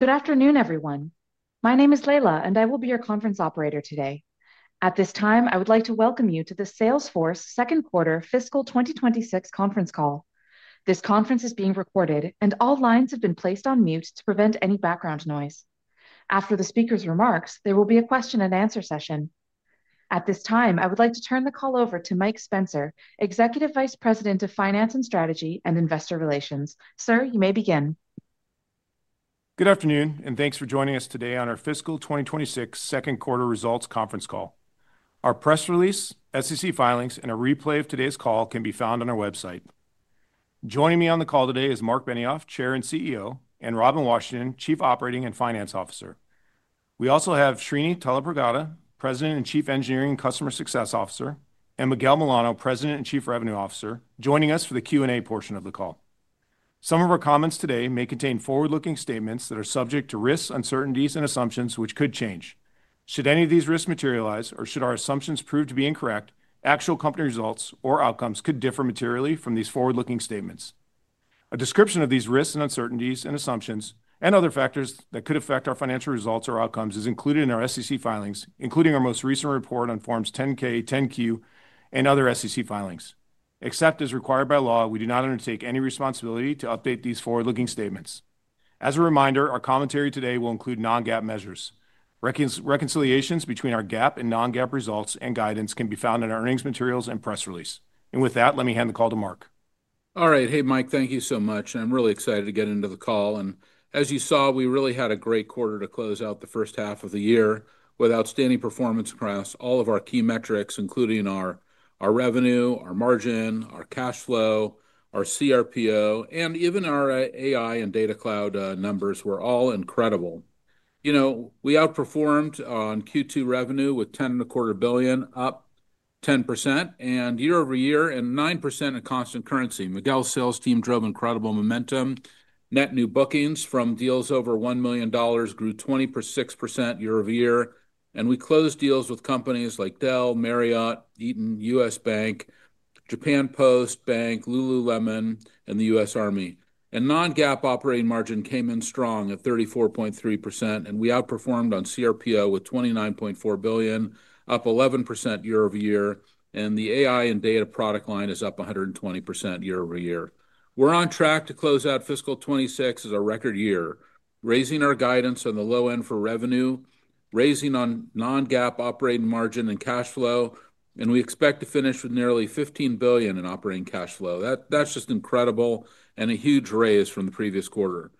Good afternoon, everyone. My name is Leila, and I will be your conference operator today. At this time, I would like to welcome you to the Salesforce second quarter fiscal twenty twenty six conference call. This conference is being recorded, and all lines have been placed on mute to prevent any background noise. After the speakers' remarks, there will be a question and answer session. At this time, I would like to turn the call over to Mike Spencer, Executive Vice President of Finance and Strategy and Investor Relations. Sir, you may begin. Good afternoon, and thanks for joining us today on our fiscal twenty twenty six second quarter results conference call. Our press release, SEC filings and a replay of today's call can be found on our website. Joining me on the call today is Mark Benioff, Chair and CEO and Robin Washington, Chief Operating and Finance Officer. We also have Srini Talapragata, President and Chief Engineering and Customer Success Officer and Miguel Milano, President and Chief Revenue Officer, joining us for the Q and A portion of the call. Some of our comments today may contain forward looking statements that are subject to risks, uncertainties and assumptions, which could change. Should any of these risks materialize or should our assumptions prove to be incorrect, actual company results or outcomes could differ materially from these forward looking statements. A description of these risks and uncertainties and assumptions and other factors that could affect our financial results or outcomes is included in our SEC filings, including our most recent report on Forms 10 ks, 10 Q and other SEC filings. Except as required by law, we do not undertake any responsibility to update these forward looking statements. As a reminder, our commentary today will include non GAAP measures. Reconciliations between our GAAP and non GAAP results and guidance can be found in our earnings materials and press release. And with that, let me hand the call to Mark. Alright. Hey, Mike. Thank you so much. I'm really excited to get into the call. And as you saw, we really had a great quarter to close out the first half of the year with outstanding performance across all of our key metrics, including our revenue, our margin, our cash flow, our CRPO and even our AI and data cloud numbers were all incredible. We outperformed on q two revenue with 10,250,000,000 up 10% and year over year and 9% in constant currency. Miguel's sales team drove incredible momentum. Net new bookings from deals over $1,000,000 grew 26% year over year, and we closed deals with companies like Dell, Marriott, Eaton, US Bank, Japan Post Bank, Lululemon, and the US Army. And non GAAP operating margin came in strong at 34.3%, and we outperformed on CRPO with $29,400,000,000 up 11% year over year, and the AI and data product line is up 120% year over year. We're on track to close out fiscal 'twenty six as a record year, raising our guidance on the low end for revenue, raising on non GAAP operating margin and cash flow, and we expect to finish with nearly $15,000,000,000 in operating cash flow. That that's just incredible and a huge raise from the previous quarter.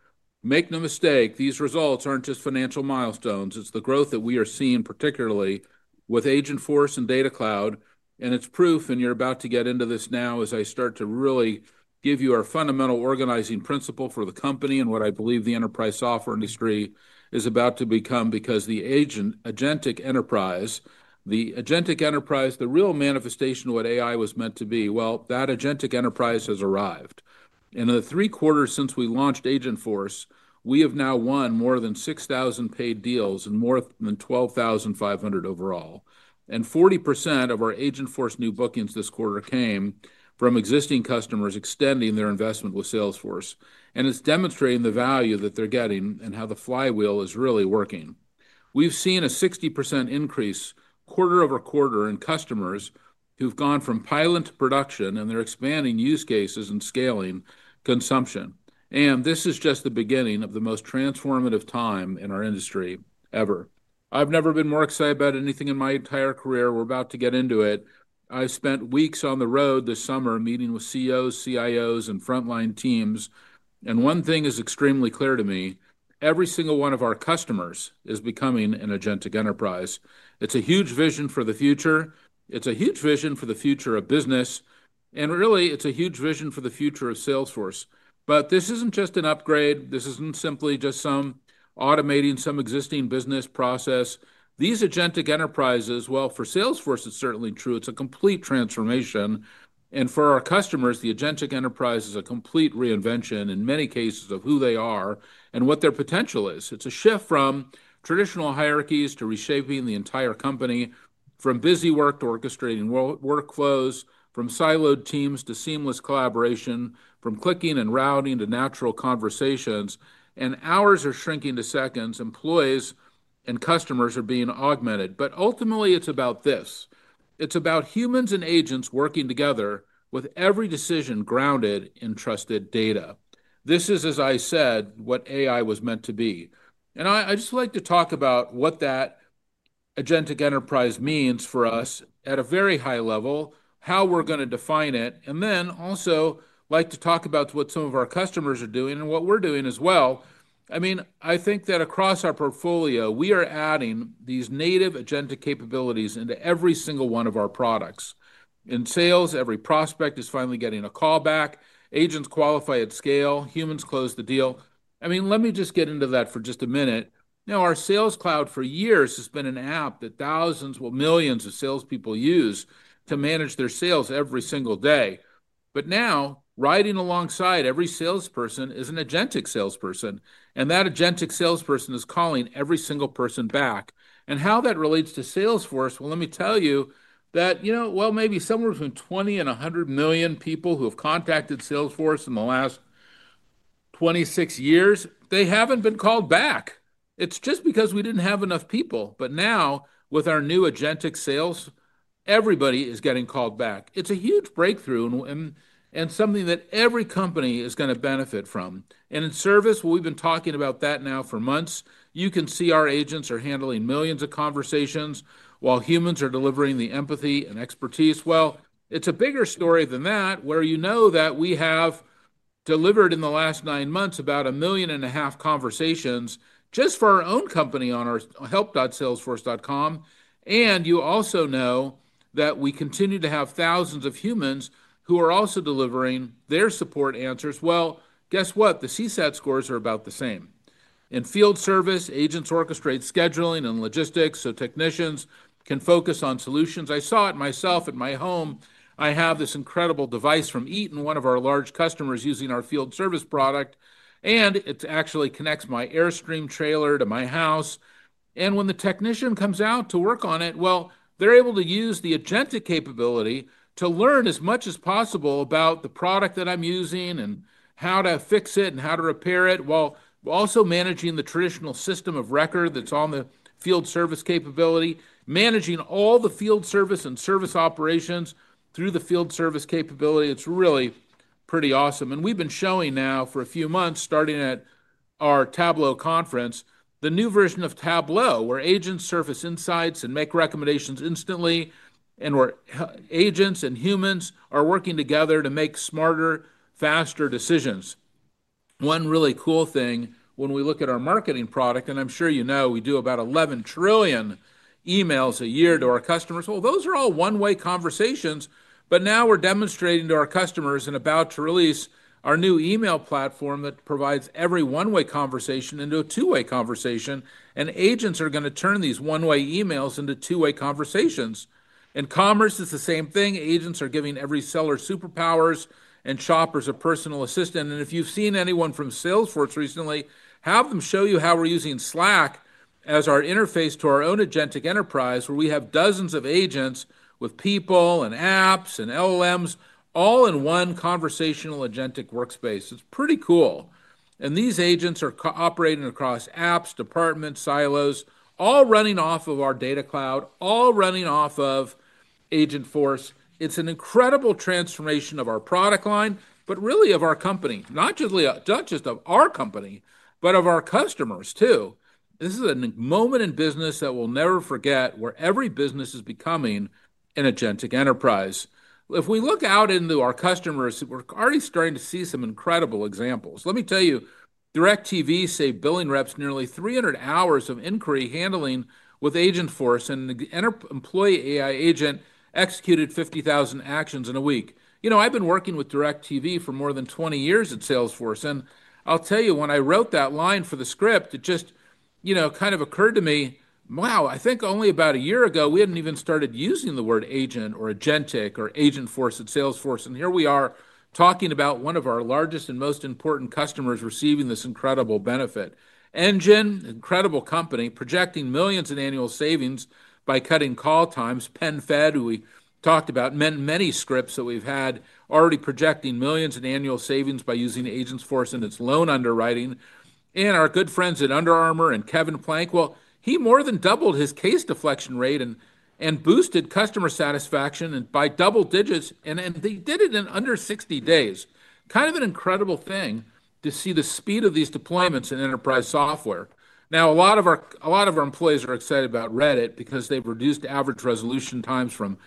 Make no mistake. These results aren't just financial milestones. It's the growth that we are seeing particularly with Agent Force and Data Cloud, and it's proof, and you're about to get into this now as I start to really give you our fundamental organizing principle for the company and what I believe the enterprise software industry is about to become because the agent agentic enterprise, the agentic enterprise, the real manifestation of what AI was meant to be, well, that agentic enterprise has arrived. In the three quarters since we launched AgentForce, we have now won more than 6,000 paid deals and more than 12,500 overall. And 40% of our agent force new bookings this quarter came from existing customers extending their investment with Salesforce, and it's demonstrating the value that they're getting and how the flywheel is really working. We've seen a 60% increase quarter over quarter in customers who've gone from pilot production, and they're expanding use cases and scaling consumption. And this is just the beginning of the most transformative time in our industry ever. I've never been more excited about anything in my entire career. We're about to get into it. I spent weeks on the road this summer meeting with CEOs, CIOs, and frontline teams. And one thing is extremely clear to me, Every single one of our customers is becoming an AgenTic enterprise. It's a huge vision for the future. It's a huge vision for the future of business, and, really, it's a huge vision for the future of Salesforce. But this isn't just an upgrade. This isn't simply just some automating some existing business process. These agentic enterprises well, for Salesforce, it's certainly true. It's a complete transformation. And for our customers, the agentic enterprise is a complete reinvention in many cases of who they are and what their potential is. It's a shift from traditional hierarchies to reshaping the entire company, from busy work to orchestrating workflows, from siloed teams to seamless collaboration, from clicking and routing to natural conversations. And hours are shrinking to seconds, employees and customers are being augmented. But, ultimately, it's about this. It's about humans and agents working together with every decision grounded in trusted data. This is, as I said, what AI was meant to be. And I I just like to talk about what that agentic enterprise means for us at a very high level, how we're gonna define it, and then also like to talk about what some of our customers are doing and what we're doing as well. I mean, I think that across our portfolio, we are adding these native agenda capabilities into every single one of our products. In sales, every prospect is finally getting a callback. Agents qualify at scale. Humans close the deal. I mean, let me just get into that for just a minute. You know, our Sales Cloud for years has been an app that thousands or millions of salespeople use to manage their sales every single day. But now riding alongside every salesperson is an salesperson, and that agentic salesperson is calling every single person back. And how that relates to Salesforce, well, let me tell you that, you know, well, maybe somewhere between 20 and a 100,000,000 people who have contacted Salesforce in the last twenty six years, they haven't been called back. It's just because we didn't have enough people. But now with our new agentic sales, everybody is getting called back. It's a huge breakthrough and and something that every company is gonna benefit from. And in service, we've been talking about that now for months. You can see our agents are handling millions conversations while humans are delivering the empathy and expertise. Well, it's a bigger story than that where you know that we have delivered in the last nine months about a million and a half conversations just for our own company on our help.salesforce.com, and you also know that we continue to have thousands of humans who are also delivering their support answers. Well, guess what? The CSAT scores are about the same. In field service, agents orchestrate scheduling and logistics so technicians can focus on solutions. I saw it myself at my home. I have this incredible device from Eaton, one of our large customers using our field service product, and it actually connects my Airstream trailer to my house. And when the technician comes out to work on it, well, they're able to use the agent to capability to learn as much as possible about the product that I'm using and how to fix it and how to repair it while also managing the traditional system of record that's on the field service capability, managing all the field service and service operations through the field service capability. It's really pretty awesome. And we've been showing now for a few months starting at our Tableau conference, the new version of Tableau where agents surface insights and make recommendations instantly and where agents and humans are working together to make smarter, faster decisions. One really cool thing when we look at our marketing product, and I'm sure you know, we do about 11,000,000,000,000 emails a year to our customers. Well, those are all one way conversations, but now we're demonstrating to our customers and about to release our new email platform that provides every one way conversation into a two way conversation. And agents are gonna turn these one way emails into two way conversations. In commerce, it's the same thing. Agents are giving every seller superpowers and shoppers a personal assistant. And if you've seen anyone from Salesforce recently, have them show you how we're using Slack as our interface to our own agentic enterprise where we have dozens of agents with people and apps and LLMs all in one conversational agentic workspace. It's pretty cool. And these agents are operating across apps, departments, silos, all running off of our data cloud, all running off of AgentForce. It's an incredible transformation of our product line, but really of our company, not just not just of our company, but of our customers too. This is a moment in business that we'll never forget where every business is becoming an agentic enterprise. If we look out into our customers, we're already starting to see some incredible examples. Let me tell you. DIRECTV saved billing reps nearly three hundred hours of inquiry handling with agent force, and the enter employee AI agent executed 50,000 actions in a week. You know, I've been working with DIRECTV for more than twenty years at Salesforce. And I'll tell you, when I wrote that line for the script, it just, you know, kind of occurred to me, wow, I think only about a year ago, we hadn't even started using the word agent or agent force at Salesforce. And here we are talking about one of our largest and most important customers receiving this incredible benefit. Engen, incredible company, projecting millions in annual savings by cutting call times. PenFed, who we talked about, many scripts that we've had already projecting millions in annual savings by using the agents force in its loan underwriting. And our good friends at Under Armour and Kevin Plank, well, he more than doubled his case deflection rate boosted customer satisfaction by double digits. And they did it in under sixty days. Kind of an incredible thing to see the speed of these deployments in enterprise software. Now a lot of our employees are excited about Reddit because they've reduced average resolution times from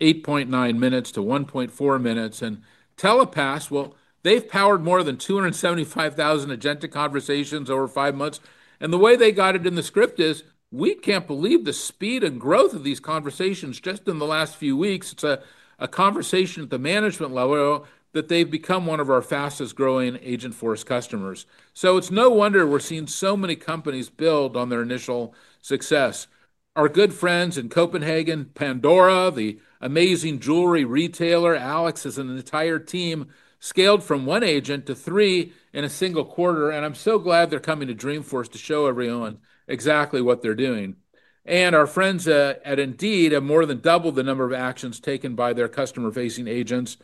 eight point nine minutes to one point four minutes. And Telepass, well, they've powered more than 275,000 agent to conversations over five months. And the way they got it in the script is we can't believe the speed and growth of these conversations just in the last few weeks. It's a conversation at the management level that they've become one of our fastest growing agent force customers. So it's no wonder we're seeing so many companies build on their initial success. Our good friends in Copenhagen, Pandora, the amazing jewelry retailer, Alex, as an entire team scaled from one agent to three in a single quarter, and I'm so glad they're coming to Dreamforce to show everyone exactly what they're doing. And our friends at Indeed have more than doubled the number of actions taken by their customer facing agents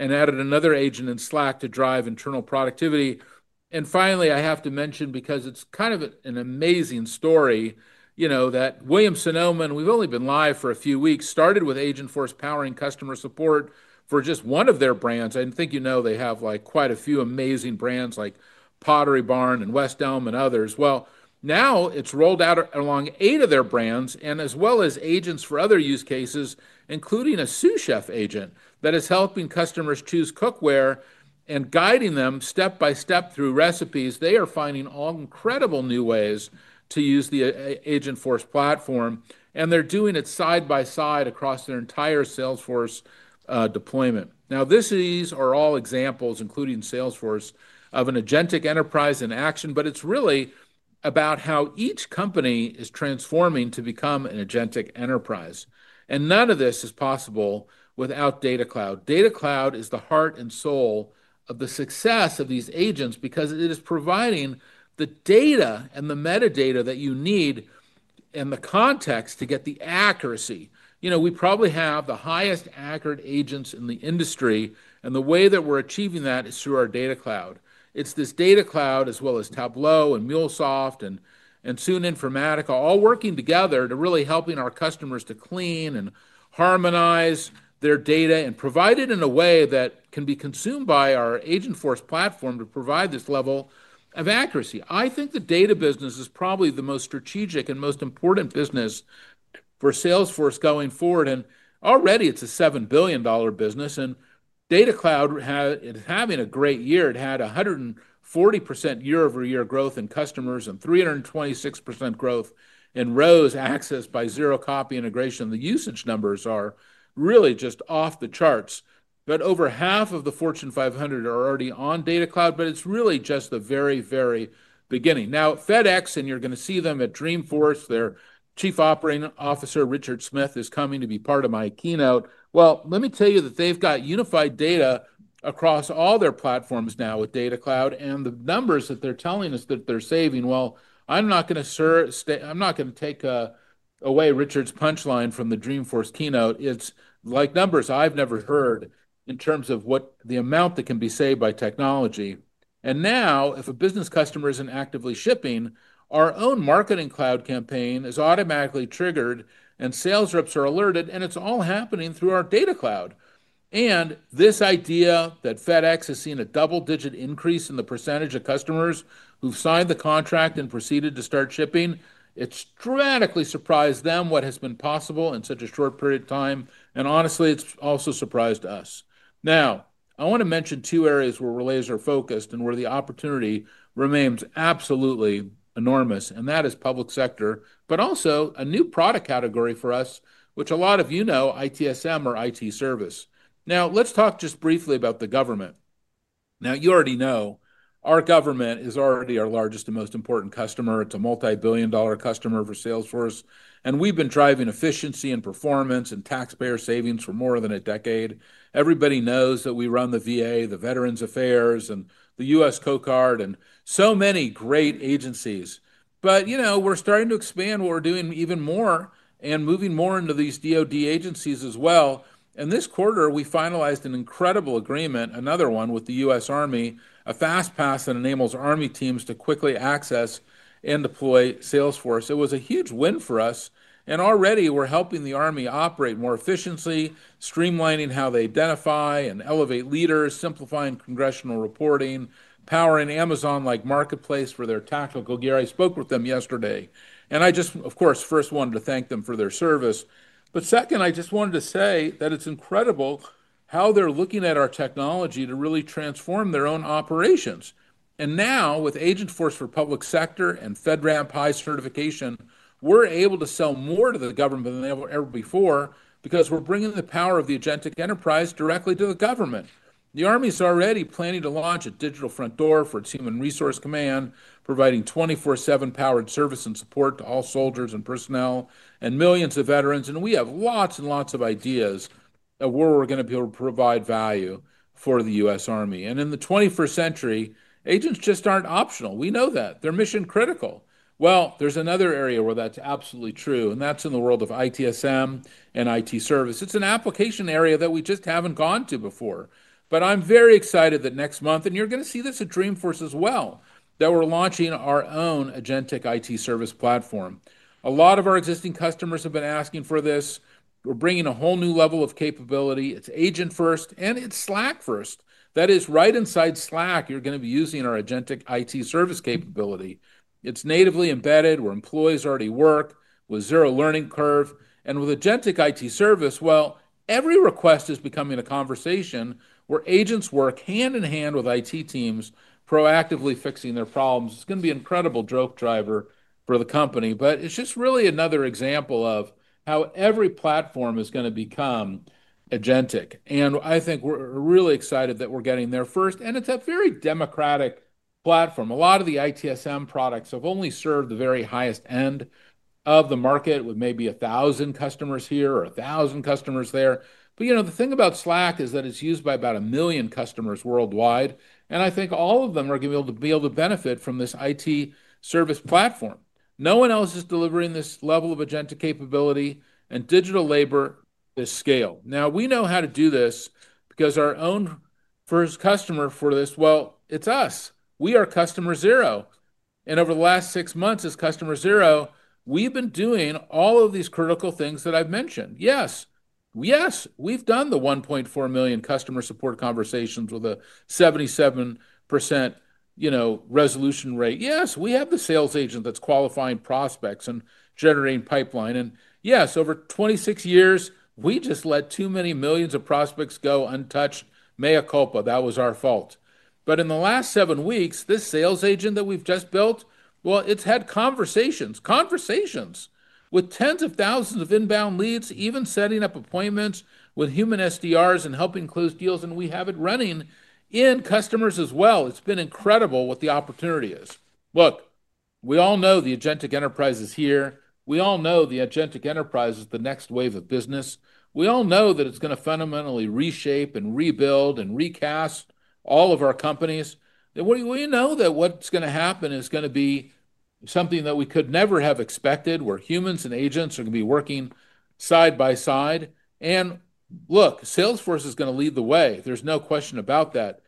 and added another agent in Slack to drive internal productivity. And finally, I have to mention because it's kind of an amazing story, you know, that William Sonoma, we've only been live for a few weeks, started with Agent Force powering customer support for just one of their brands. I didn't think you know they have, like, quite a few amazing brands like Pottery Barn and West Elm and others. Well, now it's rolled out along eight of their brands and as well as agents for other use cases, including a sous chef agent that is helping customers choose cookware and guiding them step by step through recipes. They are finding incredible new ways to use the agent force platform, and they're doing it side by side across their entire Salesforce deployment. Now these are all examples, Salesforce, of an agentic enterprise in action, but it's really about how each company is transforming to become an agentic enterprise. And none of this is possible without Data Cloud. Data Cloud is the heart and soul of the success of these agents because it is providing the data and the metadata that you need and the context to get the accuracy. You know, we probably have the highest accurate agents in the industry, and the way that we're achieving that is through our data cloud. It's this data cloud as well as Tableau and MuleSoft and and soon Informatica, all working together to really helping our customers to clean and harmonize their data and provide it in a way that can be consumed by our agent force platform to provide this level of accuracy. I think the data business is probably the most strategic and most important business for Salesforce going forward. And already, it's a $7,000,000,000 business. And Data Cloud had it's having a great year. It had a 140% year over year growth in customers and 326% growth in rows accessed by zero copy integration. The usage numbers are really just off the charts. But over half of the Fortune 500 are already on Data Cloud, but it's really just the very, very beginning. Now FedEx and you're gonna see them at Dreamforce. Their chief operating officer, Richard Smith, is coming to be part of my keynote. Well, let me tell you that they've got unified data across all their platforms now with Data Cloud, and the numbers that they're telling us that they're saving, well, I'm not gonna sir stay I'm not gonna take away Richard's punch line from the Dreamforce keynote. It's like numbers I've never heard in terms of what the amount that can be saved by technology. And now if a business customer isn't actively shipping, our own marketing cloud campaign is automatically triggered and sales reps are alerted, and it's all happening through our data cloud. And this idea that FedEx has seen a double digit increase in the percentage of customers who've signed the contract and proceeded to start shipping, it's dramatically surprised them what has been possible in such a short period of time, and, honestly, it's also surprised us. Now I wanna mention two areas where we're laser focused and where the opportunity remains absolutely enormous, and that is public sector, but also a new product category for us, which a lot of you know, ITSM or IT service. Now let's talk just briefly about the government. Now you already know. Our government is already our largest and most important customer. It's a multibillion dollar customer for Salesforce, and we've been driving efficiency and performance and taxpayer savings for more than a decade. Everybody knows that we run the VA, the Veterans Affairs, and the US Coast Guard, and so many great agencies. But, you know, we're starting to expand what we're doing even more and moving more into these DOD agencies as well. And this quarter, we finalized an incredible incredible agreement, another one with the US Army, a fast pass that enables army teams to quickly access and deploy Salesforce. It was a huge win for us. And already, we're helping the army operate more efficiently, streamlining how they identify and elevate leaders, simplifying simplifying congressional reporting, powering Amazon like Marketplace for their tactical gear. I spoke with them yesterday. And I just, of course, first wanted to thank them for their service. But second, I just wanted to say that it's incredible how they're looking at our technology to really transform their own operations. And now with AgentForce for Public Sector and FedRAMP High certification, we're able to sell more to the government than ever before because we're bringing the power of the agentic enterprise directly to the government. The army's already planning to launch a digital front door for its human resource command, providing twenty four seven powered service and support to all soldiers and personnel and millions of veterans. And we have lots and lots of ideas of where we're gonna be able to provide value for the US army. And in the twenty first century, agents just aren't optional. We know that. They're mission critical. Well, there's another area where that's absolutely true, and that's in the world of ITSM and IT service. It's an application area that we just haven't gone to before. But I'm very excited that next month and you're gonna see this at Dreamforce as well, that we're launching our own AgenTeq IT service platform. A lot of our existing customers have been asking for this. We're bringing a whole new level of capability. It's agent first, and it's Slack first. That is right inside Slack, you're gonna be using our AgenTic IT service capability. It's natively embedded where employees already work with zero learning curve. And with AgenTic IT service, well, every request is becoming a conversation where agents work hand in hand with IT teams proactively fixing their problems. It's gonna be incredible drove driver for the company, but it's just really another example of how every platform is gonna become agentic. And I think we're really excited that we're getting there first, and it's a very democratic platform. A lot of the ITSM products have only served the very highest end of the market with maybe a thousand customers here or a thousand customers there. But, you know, the thing about Slack is that it's used by about a million worldwide, and I think all of them are gonna be able to be able to benefit from this IT service platform. No one else is delivering this level of agent to capability, and digital labor is scale. Now we know how to do this because our own first customer for this, well, it's us. We are customer zero. And over the last six months, as customer zero, we've been doing all of these critical things that I've mentioned. Yes. Yes. We've done the 1,400,000 customer support conversations with a 77%, you know, resolution rate. Yes. We have the sales agent that's qualifying prospects and generating pipeline. And, yes, over twenty six years, we just let too many millions of prospects go untouched. Mea culpa. That was our fault. But in the last seven weeks, this sales agent that we've just built, well, it's had conversations, conversations with tens of thousands of inbound leads, even setting up appointments with human SDRs and helping close deals, and we have it running in customers as well. It's been incredible what the opportunity is. Look. We all know the Agentic Enterprise is here. We all know the Agentic Enterprise is the next wave of business. We all know that it's gonna fundamentally reshape and rebuild and recast all of our companies. And we we know that what's gonna happen is gonna be something that we could never have expected, where humans and agents are gonna be working side by side. And, look, Salesforce is gonna lead the way. There's no question about that.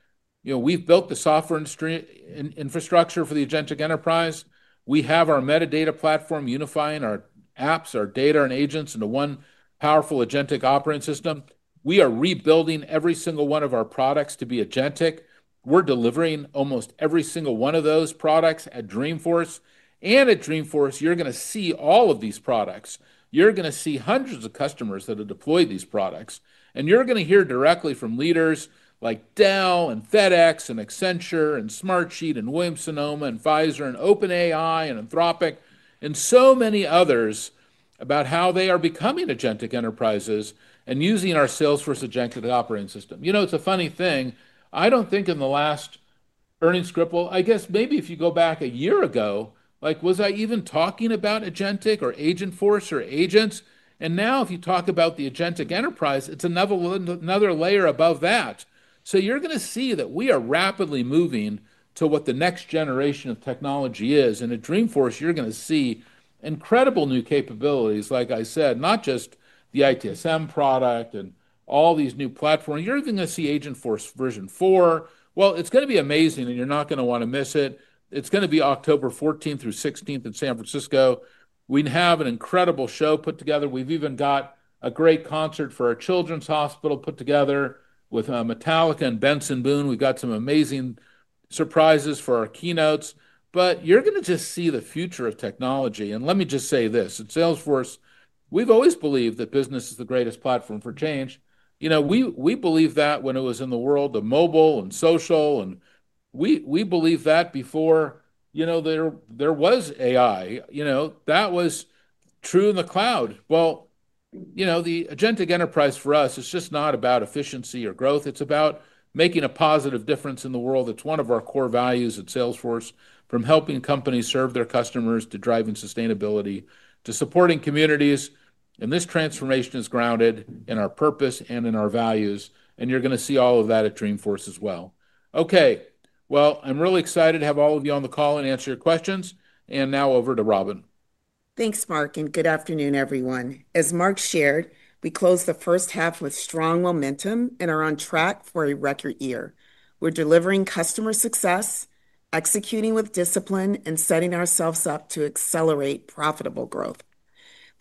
You know, we've built the software in infrastructure for the Agencik enterprise. We have our metadata platform unifying our apps, our data, and agents into one powerful AgenTic operating system. We are rebuilding every single one of our products to be AgenTic. We're delivering almost every single one of those products at Dreamforce. And at Dreamforce, you're gonna see all of these products. You're gonna see hundreds of customers that have deployed these products, and you're gonna hear directly from leaders like Dell and FedEx and Accenture and Smartsheet and Williams Sonoma and Pfizer and OpenAI and Anthropic Anthropic and so many others about how they are becoming AgenTic enterprises and using our Salesforce AgenTic operating system. You know, it's a funny thing. I don't think in the last earnings script well, I guess maybe if you go back a year ago, like, was I even talking about AgenTic or AgentForce or agents? And now if you talk about the AgenTic enterprise, it's another another layer above that. So you're gonna see that we are rapidly moving to what the next generation of technology is. And at Dreamforce, you're gonna see incredible new capabilities, like I said, not just the ITSM product and all these new platform. You're even gonna see AgentForce version four. Well, it's gonna be amazing, and you're not gonna wanna miss it. It's gonna be October in San Francisco. We have an incredible show put together. We've even got a great concert for a children's hospital put together with Metallica and Benson Boone. We've got some amazing surprises for our keynotes, but you're gonna just see the future of technology. And let me just say this. At Salesforce, we've always believed that business is the greatest platform for change. You know, we we believe that when it was in the world of mobile and social, and we we believe that before, you know, there there was AI. You know? That was true in the cloud. Well, you know, the agentic enterprise for us is just not about efficiency or growth. It's about making a positive difference in the world. It's one of our core values at Salesforce from helping companies serve their customers to driving sustainability to supporting communities, and this transformation is grounded in our purpose and in our values. And you're gonna see all of that at Dreamforce as well. Okay. Well, I'm really excited to have all of you on the call and answer your questions. And now over to Robin. Thanks, Mark, and good afternoon, everyone. As Mark shared, we closed the first half with strong momentum and are on track for a record year. We're delivering customer success, executing with discipline, and setting ourselves up to accelerate profitable growth.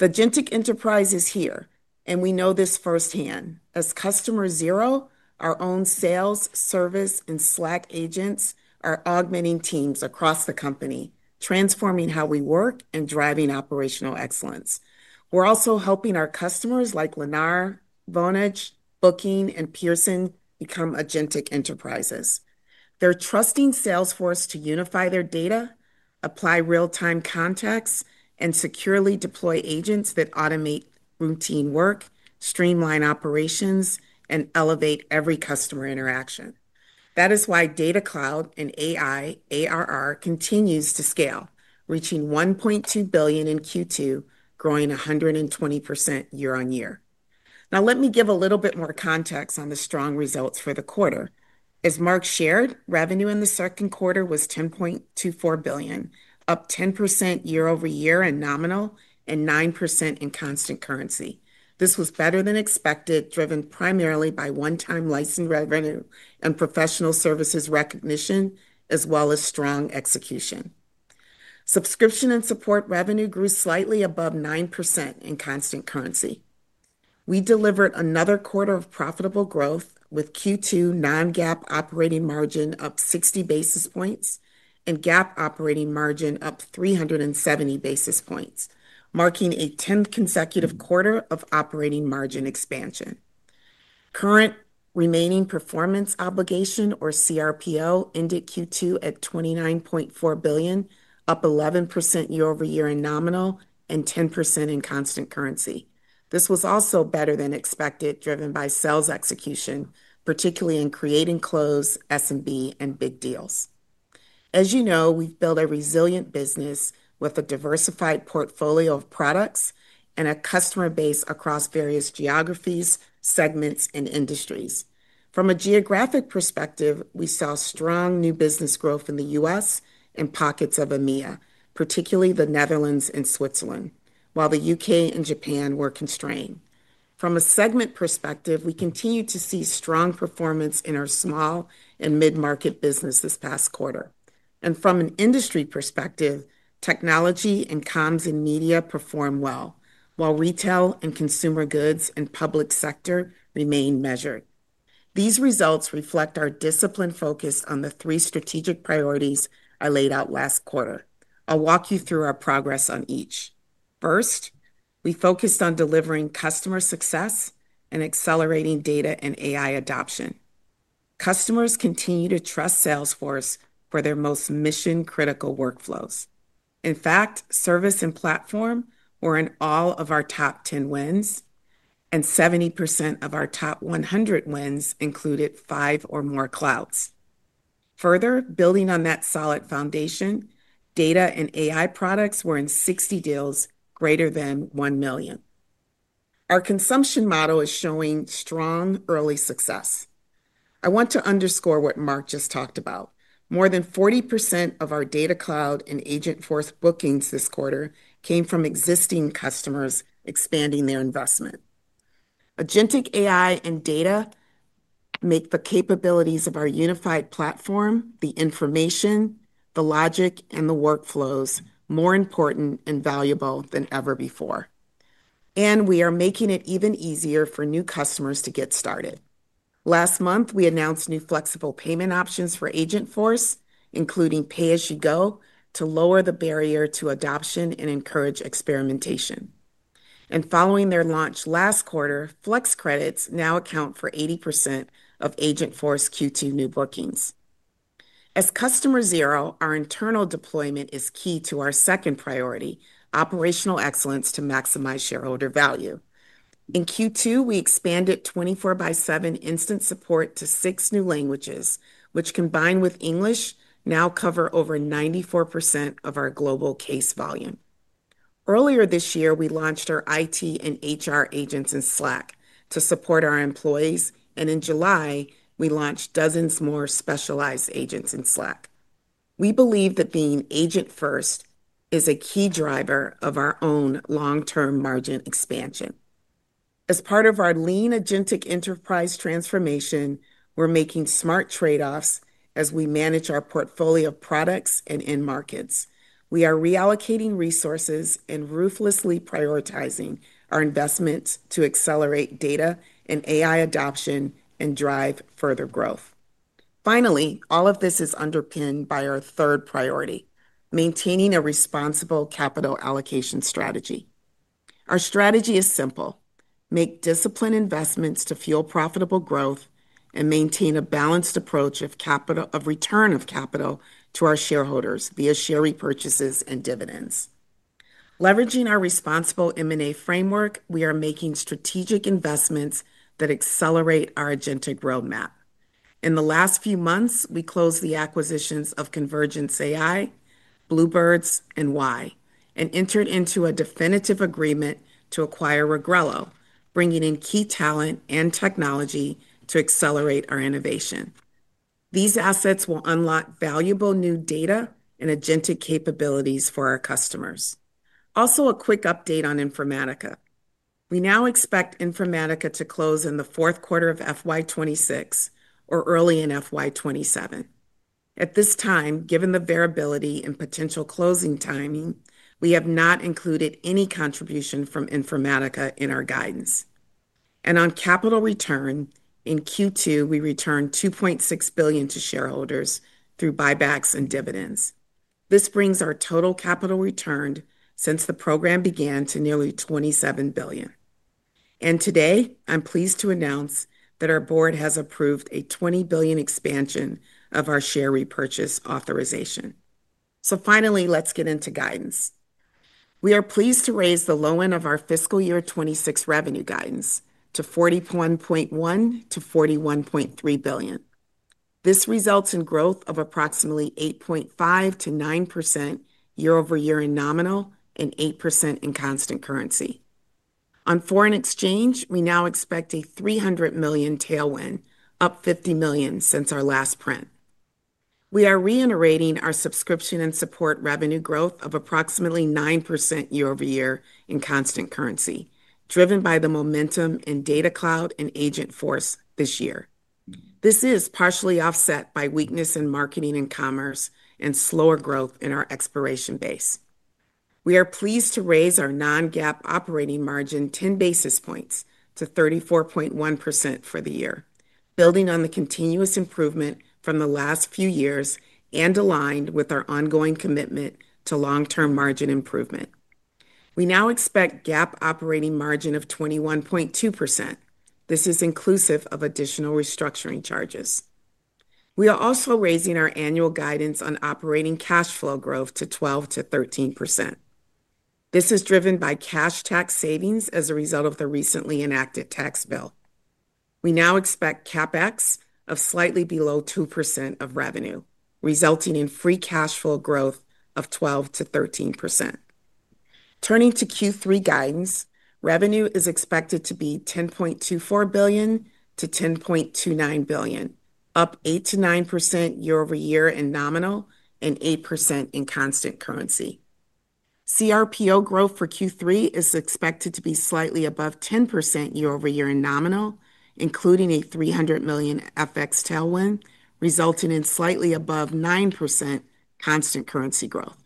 Vagintic enterprise is here, and we know this firsthand. As customer zero, our own sales, service, and Slack agents are augmenting teams across the company, transforming how we work and driving operational excellence. We're also helping our customers like Lennar, Vonage, Booking, and Pearson become AgenTic Enterprises. They're trusting Salesforce to unify their data, apply real time contacts, and securely deploy agents that automate routine work, streamline operations, and elevate every customer interaction. That is why data cloud and AI, ARR, continues to scale, reaching 1,200,000,000.0 in q two, growing a 120% year on year. Now let me give a little bit more context on the strong results for the quarter. As Mark shared, revenue in the second quarter was $10,240,000,000 up 10% year over year in nominal and 9% in constant currency. This was better than expected, driven primarily by onetime license revenue and professional services recognition as well as strong execution. Subscription and support revenue grew slightly above 9% in constant currency. We delivered another quarter of profitable growth with Q2 non GAAP operating margin up 60 basis points and GAAP operating margin up three seventy basis points, marking a tenth consecutive quarter expansion. Current Remaining Performance Obligation, or CRPO, ended Q2 at $29,400,000,000 up 11% year over year in nominal and 10% in constant currency. This was also better than expected driven by sales execution, particularly in creating close, SMB and big deals. As you know, we've built a resilient business with a diversified portfolio of products and a customer base across various geographies, segments, and industries. From a geographic perspective, we saw strong new business growth in The U. S. And pockets of EMEA, particularly The Netherlands and Switzerland, while The UK and Japan were constrained. From a segment perspective, we continue to see strong performance in our small and mid market business this past quarter. And from an industry perspective, technology and comms and media performed well, while retail and consumer goods and public sector remain measured. These results reflect our disciplined focus on the three strategic priorities I laid out last quarter. I'll walk you through our progress on each. First, we focused on delivering customer success and accelerating data and AI adoption. Customers continue to trust Salesforce for their most mission critical workflows. In fact, service and platform were in all of our top 10 wins, and 70% of our top 100 wins included five or more clouds. Further, building on that solid foundation, data and AI products were in 60 deals greater than 1,000,000. Our consumption model is showing strong early success. I want to underscore what Mark just talked about. More than 40% of our data cloud and agent force bookings this quarter came from existing customers expanding their investment. Agintiq AI and data make the capabilities of our unified platform, the information, the logic, and the workflows more important and valuable than ever before, and we are making it even easier for new customers to get started. Last month, we announced new flexible payment options for AgentForce, including pay as you go, to lower the barrier to adoption and encourage experimentation. And following their launch last quarter, flex credits now account for 80% of agent force Q2 new bookings. As customer zero, our internal deployment is key to our second priority, operational excellence to maximize shareholder value. In q two, we expanded 24 by seven instant support to six new languages, which combined with English now cover over 94 of our global case volume. Earlier this year, we launched our IT and HR agents in Slack to support our employees, and in July, we launched dozens more specialized agents in Slack. We believe that being agent first is a key driver of our own long term margin expansion. As part of our lean Agintic enterprise transformation, we're making smart trade offs as we manage our portfolio of products and end markets. We are reallocating resources and ruthlessly prioritizing our investments to accelerate data and AI adoption and drive further growth. Finally, all of this is underpinned by our third priority, maintaining a responsible capital allocation strategy. Our strategy is simple: make disciplined investments to fuel profitable growth and maintain a balanced approach of capital of return of capital to our shareholders via share repurchases and dividends. Leveraging our responsible M and A framework, we are making strategic investments that accelerate our agentic road map. In the last few months, we closed the acquisitions of Convergence dot ai, Bluebirds, and Y and entered into a definitive agreement to acquire Regrelo, bringing in key talent and technology to accelerate our innovation. These assets will unlock valuable new data and agentic capabilities for our customers. Also, a quick update on Informatica. We now expect Informatica to close in the '6 or early in FY 'twenty seven. At this time, given the variability in potential closing timing, we have not included any contribution from Informatica in our guidance. And on capital return, in Q2, we returned $2,600,000,000 to shareholders through buybacks and dividends. This brings our total capital returned since the program began to nearly $27,000,000,000 And today, I'm pleased to announce that our Board has approved a 20,000,000,000 expansion of our share repurchase authorization. So finally, let's get into guidance. We are pleased to raise the low end of our fiscal year 'twenty six revenue guidance to $41,100,000,000 to 41,300,000,000.0 This results in growth of approximately 8.5 to 9% year over year in nominal and 8% in constant currency. On foreign exchange, we now expect a $300,000,000 tailwind, up $50,000,000 since our last print. We are reiterating our subscription and support revenue growth of approximately 9% year over year in constant currency, driven by the momentum in data cloud and agent force this year. This is partially offset by weakness in marketing and commerce and slower growth in our exploration base. We are pleased to raise our non GAAP operating margin 10 basis points to 34.1 for the year, building on the continuous improvement from the last few years and aligned with our ongoing commitment to long term margin improvement. We now expect GAAP operating margin of 21.2%. This is inclusive of additional restructuring charges. We are also raising our annual guidance on operating cash flow growth to 12% to 13%. This is driven by cash tax savings as a result of the recently enacted tax bill. We now expect CapEx of slightly below 2% of revenue, resulting in free cash flow growth of 12 to 13%. Turning to Q3 guidance. Revenue is expected to be $10,240,000,000 to $10,290,000,000 up 8% to 9% year over year in nominal and 8% in constant currency. CRPO growth for Q3 is expected to be slightly above 10% year over year in nominal, including a $300,000,000 FX tailwind, resulting in slightly above 9% constant currency growth.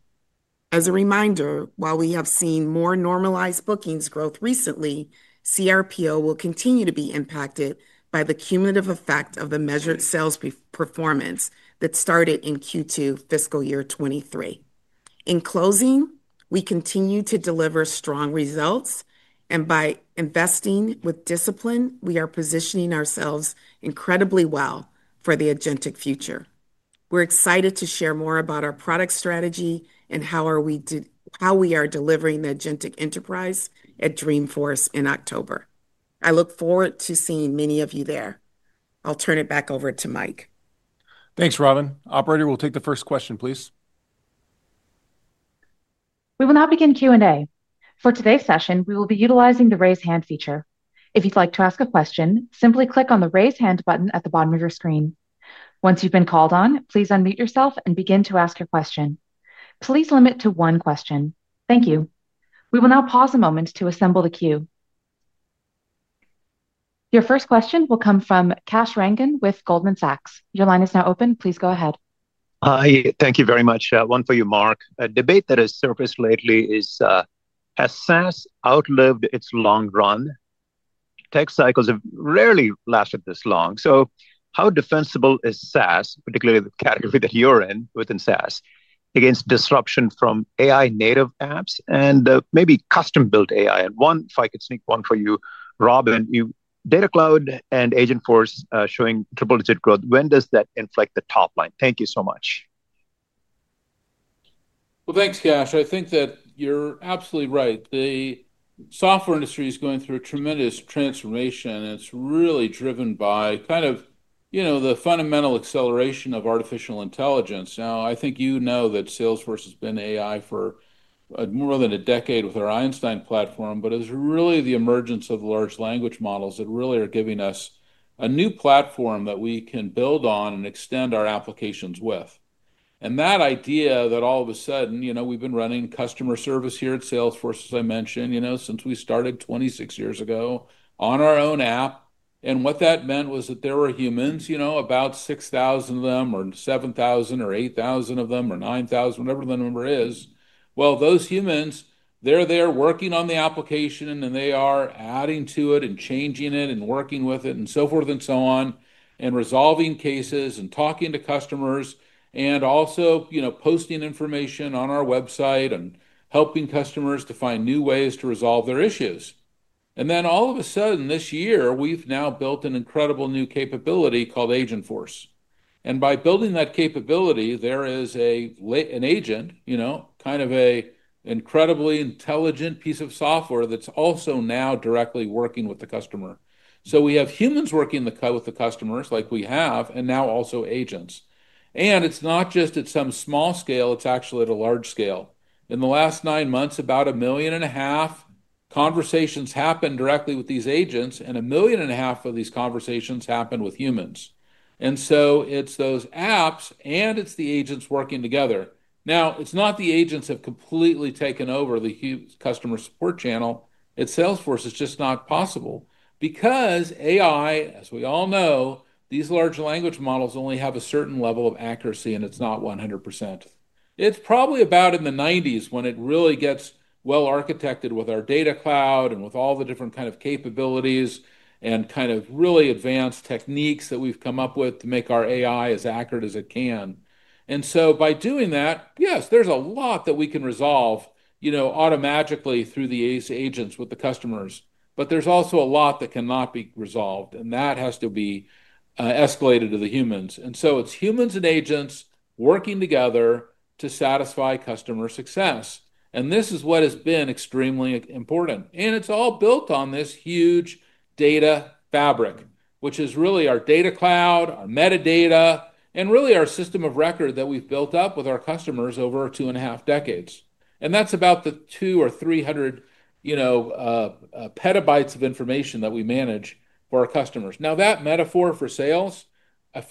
As a reminder, while we have seen more normalized bookings growth recently, CRPO will continue to be impacted by the cumulative effect of the measured sales performance that started in Q2 fiscal year 'twenty three. In closing, we continue to deliver strong results. And by investing with discipline, we are positioning ourselves incredibly well for the AgenTic future. We're excited to share more about our product strategy and how are we we are delivering the AgenTic enterprise at Dreamforce in October. I look forward to seeing many of you there. I'll turn it back over to Mike. Thanks, Robin. Operator, we'll take the first question, please. We will now begin q and a. For today's session, we will be utilizing the raise hand feature. If you'd like to ask a question, simply click on the raise hand button at the bottom of your screen. Once you've been called on, please unmute yourself and begin to ask your question. Please limit to one question. Thank you. Your first question will come from Kash Rangan with Goldman Sachs. Your line is now open. Please go ahead. Hi. Thank you very much. One for you, Mark. A debate that has surfaced lately is, has SaaS outlived its long run? Tech cycles have rarely lasted this long. So how defensible is SaaS, particularly the category that you're in within SaaS, against disruption from AI native apps and, maybe custom built AI? One, if I could sneak one for you, Robin, you data cloud and agent force showing triple digit growth. When does that inflect the top line? Thank you so much. Well, thanks, Kash. I think that you're absolutely right. The software industry is going through a tremendous transformation, and it's really driven by kind of the fundamental acceleration of artificial intelligence. Now I think you know that Salesforce has been AI for more than a decade with our Einstein platform, but it's really the emergence of large language models that really are giving us a new platform that we can build on and extend our applications with. And that idea that all of sudden a you know, we've been running customer service here at Salesforce, as I mentioned, you know, since we started twenty six years ago on our own app. And what that meant was that there were humans, you know, about 6,000 of them or 7,000 or 8,000 of them or 9,000, whatever the number is. Well, those humans, they're there working on the application, and they are adding to it and changing it and working with it and so forth and so on and resolving cases and talking to customers and also, you know, posting information on our website and helping customers to find new ways to resolve their issues. And then all of a sudden, this year, we've now built an incredible new capability called AgentForce. And by building that capability, there is a an agent, you know, kind of a incredibly intelligent piece of software that's also now directly working with the customer. So we have humans working the with the customers like we have and now also agents. And it's not just at some small scale. It's actually at a large scale. In the last nine months, about a million and a half conversations happened directly with these agents, and a million and a half of these conversations happened with humans. And And so so it's those apps and it's the agents working together. Now it's not the agents have completely taken over the huge customer support channel. It's Salesforce. It's just not possible. Because AI, as we all know, these large language models only have a certain level of accuracy, and it's not 100%. It's probably about in the nineties when it really gets well architected with our data cloud and with all the different kind of capabilities and kind of really advanced techniques that we've come up with to make our AI as accurate as it can. And so by doing that, yes, there's a lot that we can resolve, you know, automagically through the ace agents with the customers. But there's also a lot that cannot be resolved, and that has to be escalated to the humans. And so it's humans and agents working together to satisfy customer success. And this is what has been extremely important. And it's all built on this huge data fabric, which is really our data cloud, our metadata, and really our system of record that we've built up with our customers over two and a half decades. And that's about the two or 300, you know, petabytes of information that we manage for our customers. Now that metaphor for sales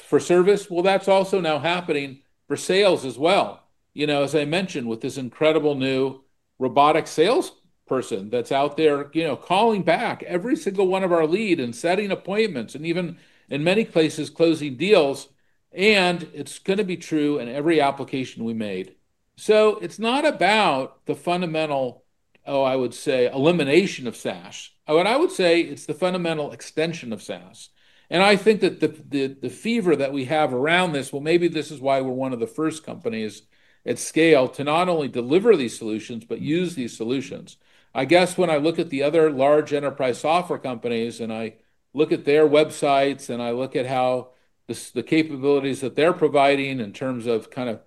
for service, well, that's also now happening for sales as well. You know, as I mentioned, with this incredible new robotic salesperson that's out there, you know, calling back every single one of our lead and setting appointments and even, in many places, closing deals. And it's gonna be true in every application we made. So it's not about the fundamental, oh, I would say, elimination of SaaS. Oh, what I would say, it's the fundamental extension of SaaS. And I think that the the the fever that we have around this well, maybe this is why we're one of the first companies at scale to not only deliver these solutions, but use these solutions. I guess when I look at the other large enterprise software companies and I look at their websites and I look at how this the capabilities that they're providing in terms of kinda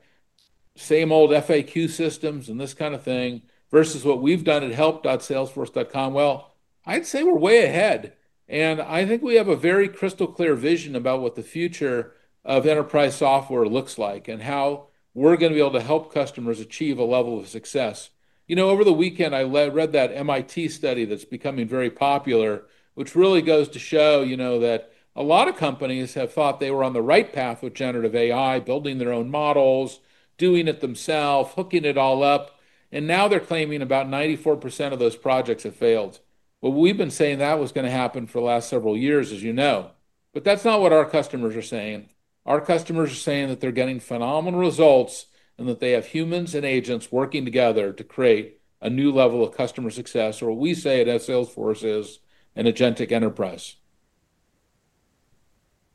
same old FAQ systems and this kinda thing versus what we've done at help.salesforce.com. Well, I'd say we're way ahead. And I think we have a very crystal clear vision about what the future of enterprise software looks like and how we're gonna be able to help customers achieve a level of success. You know, over the weekend, I read that MIT study that's becoming very popular, which really goes to show, you know, that a lot of companies have thought they were on the right path with generative AI, building their own models, doing it themselves, hooking it all up. And now they're claiming about 94% of those projects have failed. Well, we've been saying that was gonna happen for the last several years, as you know. But that's not what our customers are saying. Our customers are saying that they're getting phenomenal results and that they have humans and agents working together to create a new level of customer success, or we say that Salesforce is an agentic enterprise.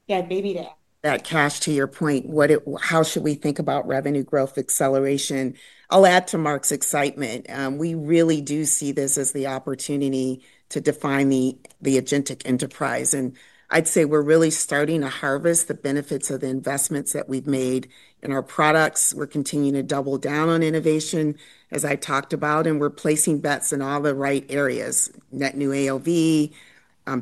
Yeah. Maybe to add, Kash, to your point, what it how should we think about revenue growth acceleration? I'll add to Mark's excitement. We really do see this as the opportunity to define the the AgenTic enterprise. And I'd say we're really starting to harvest the benefits of the investments that we've made in our products. We're continuing to double down on innovation, as I talked about, and we're placing bets in all the right areas, net new AOV,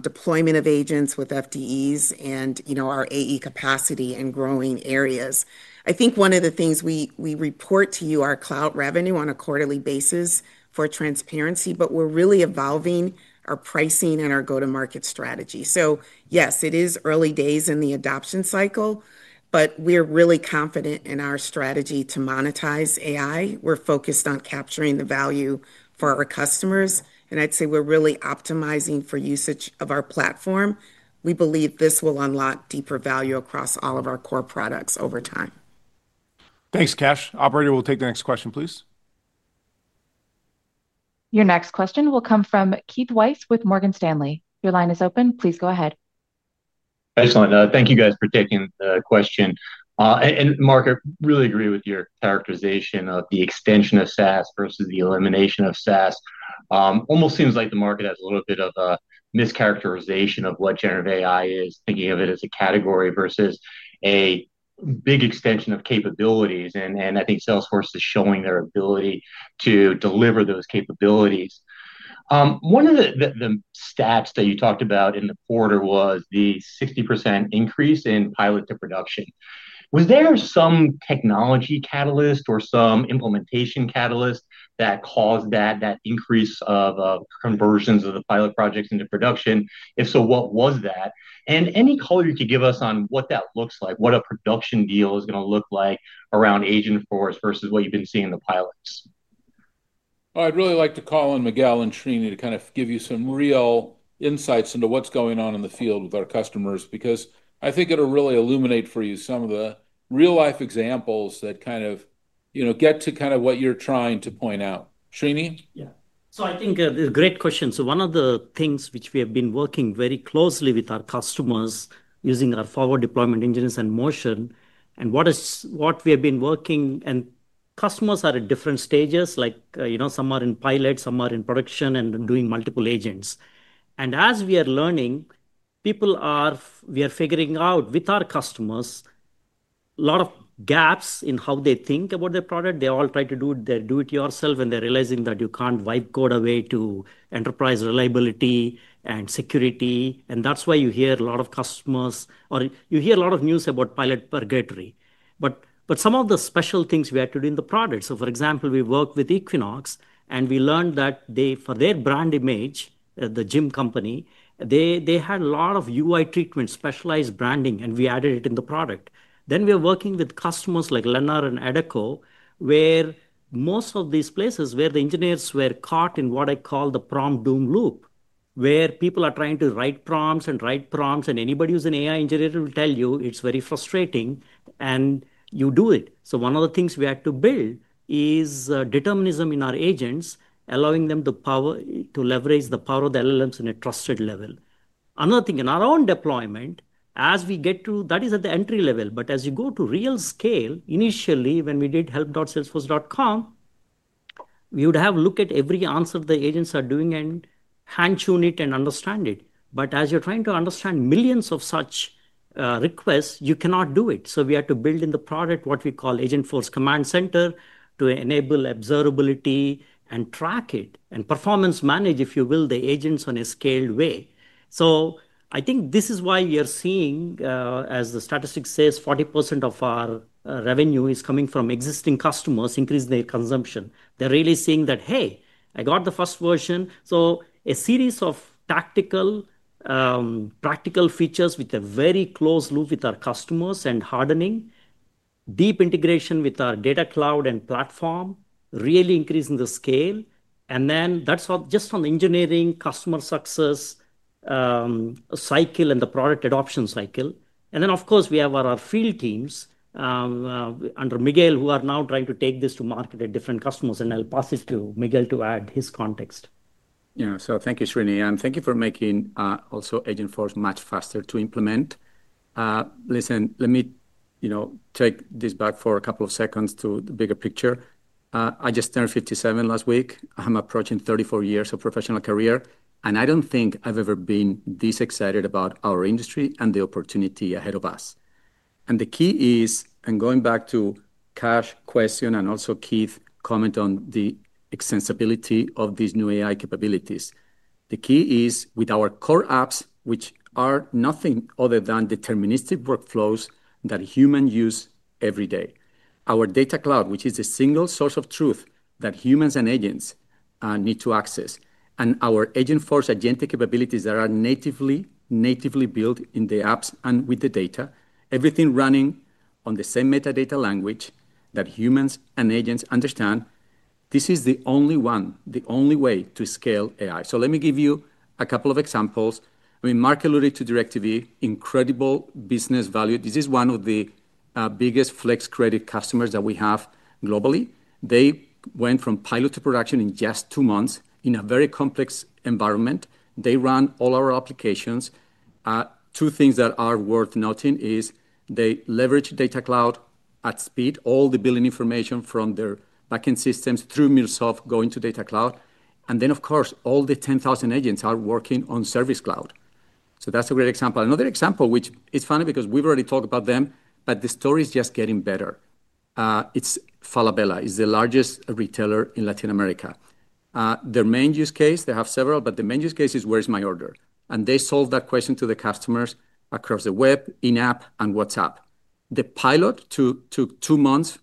deployment of agents with FTEs, and, you know, our AE capacity in growing areas. I think one of the things we we report to you are cloud revenue on a quarterly basis for transparency, but we're really evolving our pricing and our go to market strategy. So, yes, it is early days in the adoption cycle, but we're really confident in our strategy to monetize AI. We're focused on capturing the value for our customers, and I'd say we're really optimizing for usage of our platform. We believe this will unlock deeper value across all of our core products over time. Thanks, Kash. Operator, we'll take the next question, please. Your next question will come from Keith Weiss with Morgan Stanley. Your line is open. Please go ahead. Excellent. Thank you guys for taking the question. And, Mark, I really agree with your characterization of the extension of SaaS versus the elimination of SaaS. Almost seems like the market has a little bit of a mischaracterization of what generative AI is, thinking of it as a category versus a big extension of capabilities. And and I think Salesforce is showing their ability to deliver those capabilities. One of the the the stats that you talked about in the quarter was the 60% increase in pilot to production. Was there some technology catalyst or some implementation catalyst that caused that that increase of, conversions of the pilot projects into production? If so, what was that? And any color you could give us on what that looks like, what a production deal is gonna look like around agent force versus what you've been seeing in the pilots? Well, I'd really like to call on Miguel and Srini to kind of give you some real insights into what's going on in the field with our customers because I think it'll really illuminate for you some of the real life examples that kind of, get to kind of what you're trying to point out. Srini? Yes. So I think a great question. So one of the things which we have been working very closely with our customers using our forward deployment engines and motion and what is what we have been working and customers are at different stages, like, you know, some are in pilot, some are in production and doing multiple agents. And as we are learning, people are we are figuring out with our customers a lot of gaps in how they think about their product. They all try to do their do it yourself, and they're realizing that you can't wipe code away to enterprise reliability and security. And that's why you hear a lot of customers or you hear a lot of news about pilot purgatory. But but some of the special things we have to do in the product. So for example, we work with Equinox, and we learned that they for their brand image, the gym company, they they had a lot of UI treatment, specialized branding, and we added it in the product. Then we are working with like Lennar and Adecco, where most of these places where the engineers were caught in what I call the prompt doom loop, where people are trying to write prompts and write prompts, and anybody who's an AI engineer will tell you it's very frustrating, and you do it. So one of the things we had to build is, determinism in our agents, allowing them to power to leverage the power of the LLMs in a trusted level. Another thing in our own deployment, as we get to that is at the entry level. But as you go to real scale, initially, when we did help .salesforce.com, you'd have a look at every answer the agents are doing and hand tune it and understand it. But as you're trying to understand millions of such requests, you cannot do it. So we are to build in the product what we call agent force command center to enable observability and track it and performance manage, if you will, the agents on a scaled way. So I think this is why you're seeing, as the statistics says, 40% of our revenue is coming from existing customers, increase their consumption. They're really seeing that, hey, I got the first version. So a series of tactical, practical features with a very close loop with our customers and hardening, deep integration with our data cloud and platform, really increasing the scale. And then that's just from engineering, customer success, cycle and the product adoption cycle. And then, of course, we have our field teams, under Miguel, who are now trying to take this to market at different customers, and I'll pass it to Miguel to add his context. Yeah. So thank you, Srini, and thank you for making, also Agenforce much faster to implement. Listen, let me take this back for a couple of seconds to the bigger picture. I just turned 57 last week. I'm approaching thirty four years of professional career. And I don't think I've ever been this excited about our industry and the opportunity ahead of us. And the key is and going back to Kash's question and also Keith comment on the extensibility of these new AI capabilities. The key is with our core apps, which are nothing other than deterministic workflows that human use every day. Our data cloud, which is a single source of truth that humans and agents need to access and our agent force agentic capabilities that are natively built in the apps and with the data, everything running on the same metadata language that humans and agents understand. This is the only one, the only way to scale AI. So let me give you a couple of examples. I mean, Marc alluded to DIRECTV, incredible business value. This is one of the biggest Flex Credit customers that we have globally. They went from pilot to production in just two months in a very complex environment. They run all our applications. Two things that are worth noting is they leverage Data Cloud at speed, all the billing information from their back end systems through Microsoft go into Data Cloud. And then, of course, all the 10,000 agents are working on Service Cloud. So that's a great example. Another example, which is funny because we've already talked about them, but the story is just getting better. It's Falabella. It's the largest retailer in Latin America. Their main use case, they have several, but the main use case is, where is my order? And they solve that question to the customers across the web, in app and WhatsApp. The pilot took two months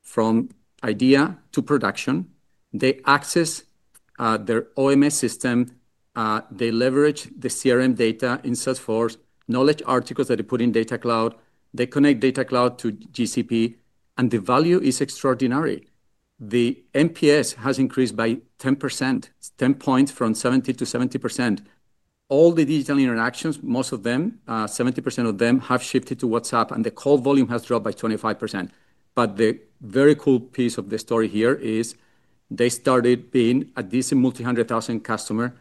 from idea to production. They access their OMS system. They leverage the CRM data in Salesforce, knowledge articles that they put in Data Cloud. They connect Data Cloud to GCP, and the value is extraordinary. The NPS has increased by 10%, 10 points from 70% to 70%. All the digital interactions, most of them, 70% of them have shifted to WhatsApp, and the call volume has dropped by 25%. But the very cool piece of the story here is they started being a decent multi 100,000 customer.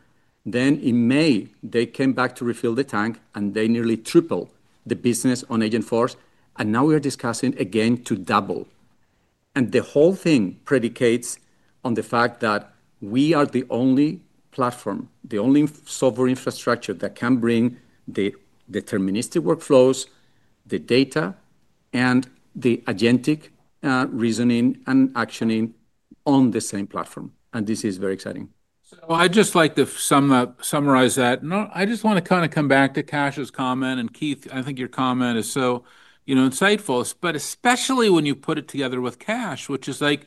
Then in May, they came back to refill the tank and they nearly tripled the business on Agent Force. And now we are discussing again to double. And the whole thing predicates on the fact that we are the only platform, the only software infrastructure that can bring the deterministic workflows, the data and the agentic reasoning and actioning on the same platform. And this is very exciting. So I'd just like to sum up summarize that. No. I just want to kind of come back to Cash's comment. And Keith, I think your comment is so insightful. But especially when you put it together with Cash, which is like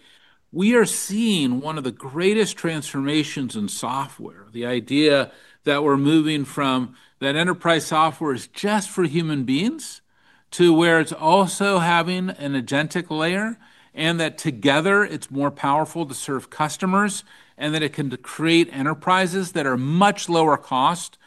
we are seeing one of the greatest transformations in software. The idea that we're moving from that enterprise software is just for human beings to where it's also having an agentic layer, and that together, it's more powerful to serve customers, and that it can create enterprises that are much lower cost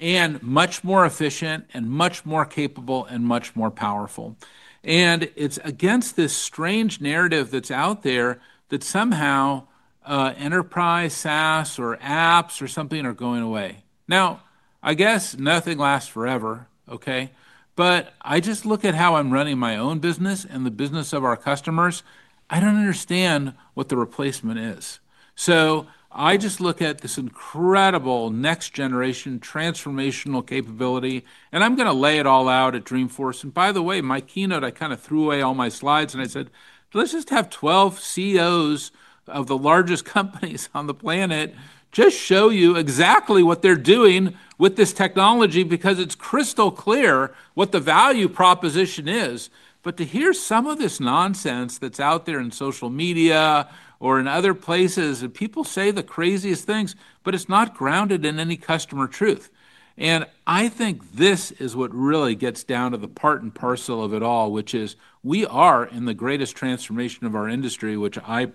and much more efficient and much more capable and much more powerful. And it's against this strange narrative that's out there that somehow enterprise SaaS or apps or something are going away. Now, I guess nothing lasts forever. Okay? But I just look at how I'm running my own business and the business of our customers. I don't understand what the replacement is. So I just look at this incredible next generation transformational capability, and I'm gonna lay it all out at Dreamforce. And by the way, my keynote, I kinda threw away all my slides, and I said, let's just have 12 CEOs of the largest companies on the planet just show you exactly what they're doing with this technology because it's crystal clear what the value proposition is. But to hear some of this nonsense that's out there in social media or in other places, people say the craziest things, but it's not grounded in any customer truth. And I think this is what really gets down to the part and parcel of it all, which is we are in the greatest transformation of our industry, which I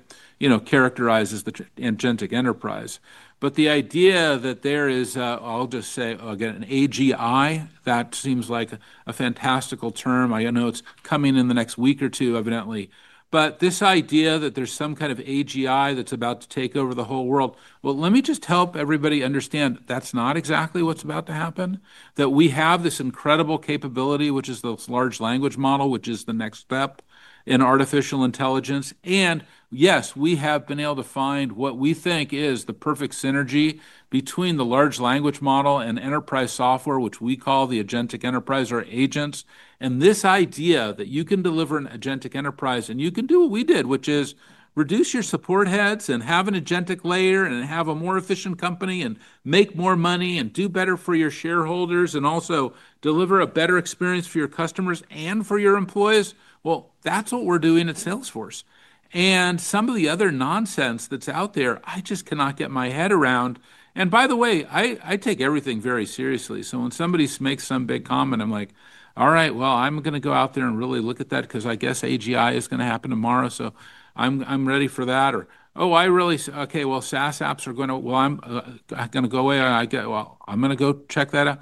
characterize as the Angentic enterprise. But the idea that there is, I'll just say, again, an AGI, that seems like a fantastical term. I know it's coming in the next week or two, evidently. But this idea that there's some kind of AGI that's about to take over the whole world. Well, let me just help everybody understand that's not exactly what's about to happen, that we have this incredible capability, which is those large language model, which is the next step in artificial intelligence. And, yes, we have been able to find what we think is the perfect synergy between the large language model and enterprise software, which we call the agentic enterprise or agents. And this idea that you can deliver an agentic enterprise, and you can do what we did, which is reduce your support heads and have an agentic layer and have a more efficient company and make more money and do better for your shareholders and also deliver a better experience for your customers and for your employees. Well, that's what we're doing at Salesforce. And some of the other nonsense that's out there, I just cannot get my head around. And by the way, I I take everything very seriously. So when somebody makes some big comment, I'm like, alright. Well, I'm gonna go out there and really look at that because I guess AGI is gonna happen tomorrow, so I'm I'm ready for that. Or, oh, I really okay. Well, SaaS apps are gonna well, I'm gonna go away, and I get well, I'm gonna go check that out.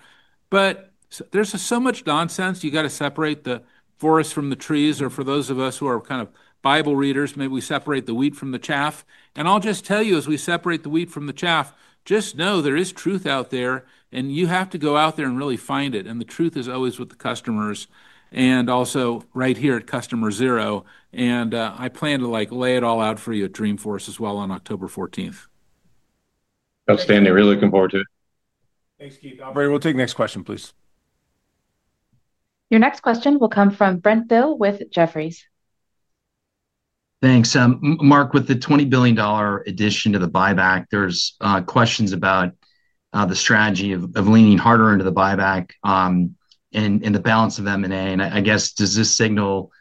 But there's so much nonsense. You gotta separate the forest from the trees. Or for those of us who are kind of bible readers, maybe we separate the wheat from the chaff. And I'll just tell you as we separate the wheat from the chaff, just know there is truth out there, and you have to go out there and really find it. And the truth is always with the customers and also right here at customer zero. And I plan to like lay it all out for you at Dreamforce as well on October 14. Outstanding. Really looking forward to it. Thanks, Keith. Operator, we'll take the next question, please. Next question will come from Brent Thill with Jefferies. Thanks. Mark, with the $20,000,000,000 addition to the buyback, there's questions about the strategy of leaning harder into the buyback and the balance of M and A. And I guess, does this signal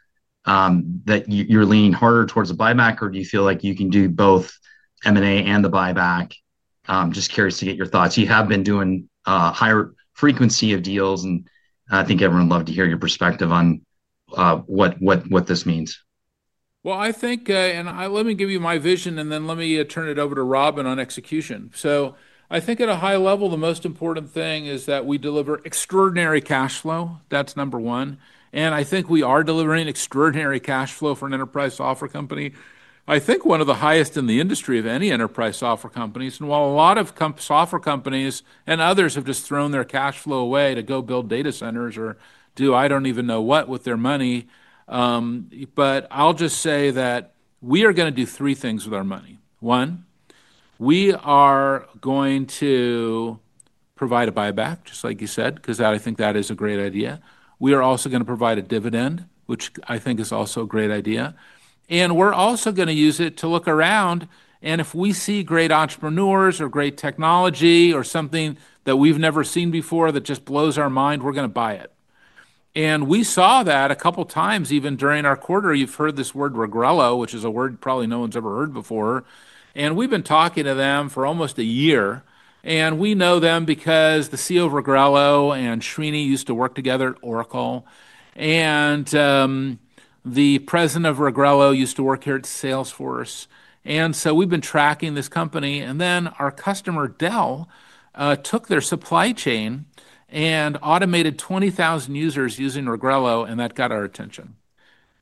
that you you're leaning harder towards a buyback, or do you feel like you can do both m and a and the buyback? Just curious to get your thoughts. You have been doing higher frequency of deals, and I think everyone loved to hear your perspective on what what what this means. Well, I think and I let me give you my vision, and then let me turn it over to Robin on execution. So I think at a high level, the most important thing is that we deliver extraordinary cash flow. That's number one. And I think we are delivering extraordinary cash flow for an enterprise software company. I think one of the highest in the industry of any enterprise software companies. And while a lot of software companies and others have just thrown their cash flow away to go build data centers or do I don't even know what with their money, But I'll just say that we are going to do three things with our money. One, we are going to provide a buyback, just like you said, because I think that is a great idea. We are also going to provide a dividend, which I think is also a great idea. And we're also going to use it to look around. And if we see great entrepreneurs or great technology or something that we've never seen before that just blows our mind, we're going to buy it. And we saw that a couple times even during our quarter. You've heard this word Regrelo, which is a word probably no one's ever heard before. And we've been talking to them for almost a year. And we know them because the CEO of Regrelo and Srini used to work together at Oracle. And the president of Regrelo used to work here at Salesforce. And so we've been tracking this company. And then our customer Dell took their supply chain and automated 20,000 users using Regrelo, and that got our attention.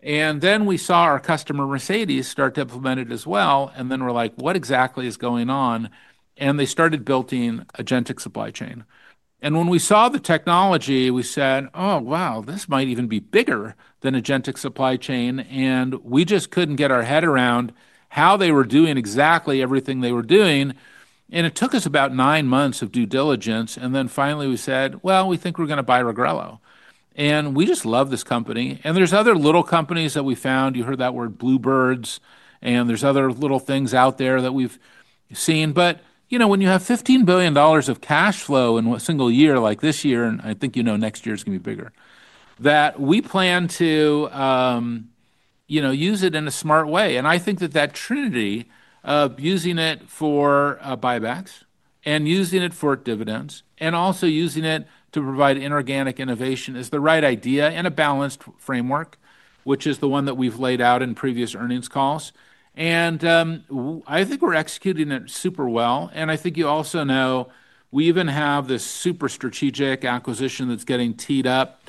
And then we saw our customer Mercedes start to implement it as well, and then we're like, what exactly is going on? And they started building a gentic supply chain. And when we saw the technology, we said, oh, wow. This might even be bigger than AgenTic supply chain. And we just couldn't get our head around how they were doing exactly everything they were doing. And it took us about nine months of due diligence. And then finally, we said, well, we think we're gonna buy Regrelo. And we just love this company. And there's other little companies that we found, you heard that word bluebirds, and there's other little things out there that we've seen. But when you have $15,000,000,000 of cash flow in one single year like this year, and I think next year is going be bigger, that we plan to use it in a smart way. And I think that that Trinity of using it for buybacks and using it for dividends and also using it to provide inorganic innovation is the right idea and a balanced framework, which is the one that we've laid out in previous earnings calls. And I think we're executing it super well. And I think you also know we even have this super strategic acquisition that's getting teed up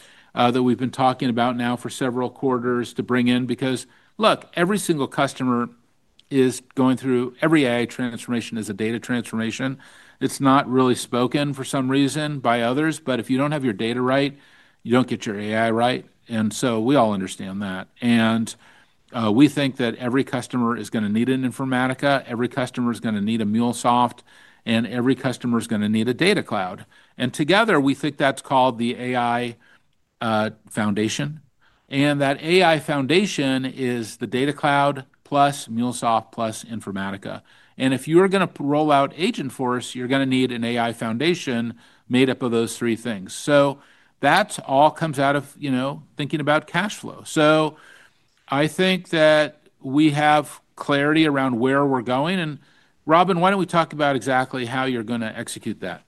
that we've been talking about now for several quarters to bring in because, look, every single customer is going through every AI transformation is a data transformation. It's not really spoken for some reason by others. But if you don't have your data right, you don't get your AI right. And so we all understand that. And we think that every customer is gonna need an Informatica, every customer is gonna need a MuleSoft, and every customer is gonna need a Data Cloud. And together, we think that's called the AI Foundation. And that AI Foundation is the Data cloud plus MuleSoft plus Informatica. And if you're gonna roll out AgentForce, you're gonna need an AI foundation made up of those three things. So that's all comes out of, you know, thinking about cash flow. So I think that we have clarity around where we're going. And, Robin, why don't we talk about exactly how you're gonna execute that?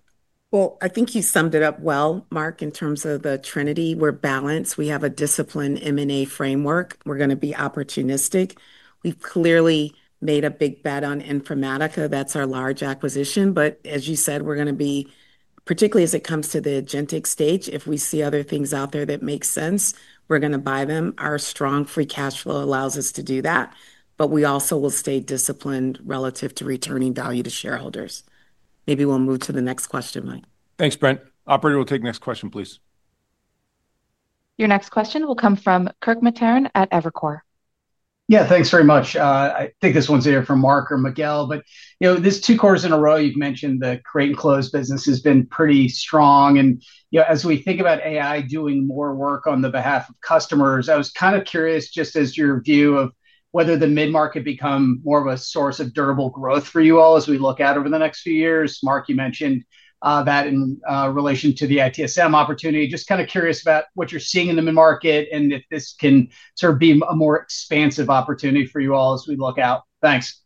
Well, I think you summed it up well, Mark, in terms of the Trinity. We're balanced. We have a disciplined m and a framework. We're gonna be opportunistic. We've clearly made a big bet on Informatica. That's our large acquisition. But as you said, we're gonna be particularly as it comes to the agentic stage, if we see other things out there that make sense, we're gonna buy them. Our strong free cash flow allows us to do that, but we also will stay disciplined relative to returning value to shareholders. Maybe we'll move to the next question, Mike. Thanks, Brent. Operator, we'll take next question, please. Your next question will come from Kirk Materne at Evercore. Yeah. Thanks very much. I think this one's here for Mark or Miguel. But, you know, this two quarters in a row, you've mentioned the create and close business has been pretty strong. And, you know, as we think about AI doing more work on the behalf of customers, I was kinda curious just as your view of whether the mid market become more of a source of durable growth for you all as we look out over the next few years. Mark, you mentioned that in relation to the ITSM opportunity. Just kinda curious about what you're seeing in the mid market and if this can sort of be a more expansive opportunity for you all as we look out. Thanks.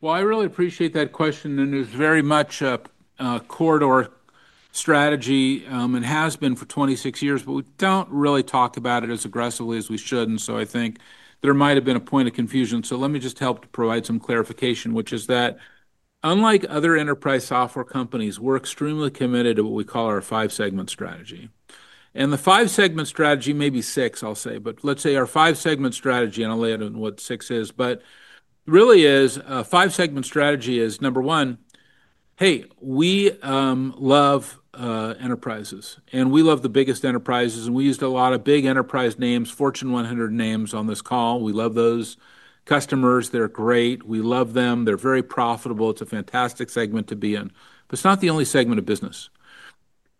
Well, I really appreciate that question, and it's very much a a corridor strategy and has been for twenty six years, but we don't really talk about it as aggressively as we should. And so I think there might have been a point of confusion. So let me just help to provide some clarification, which is that unlike other enterprise software companies, we're extremely committed to what we call our five segment strategy. And the five segment strategy may be six, I'll say. But let's say our five segment strategy, and I'll lay out on what six is, but really is five segment strategy is, number one, hey. We love enterprises, and we love the biggest enterprises. And we used a lot of big enterprise names, Fortune 100 names on this call. We love those customers. They're great. We love them. They're very profitable. It's a fantastic segment to be in. But it's not the only segment of business.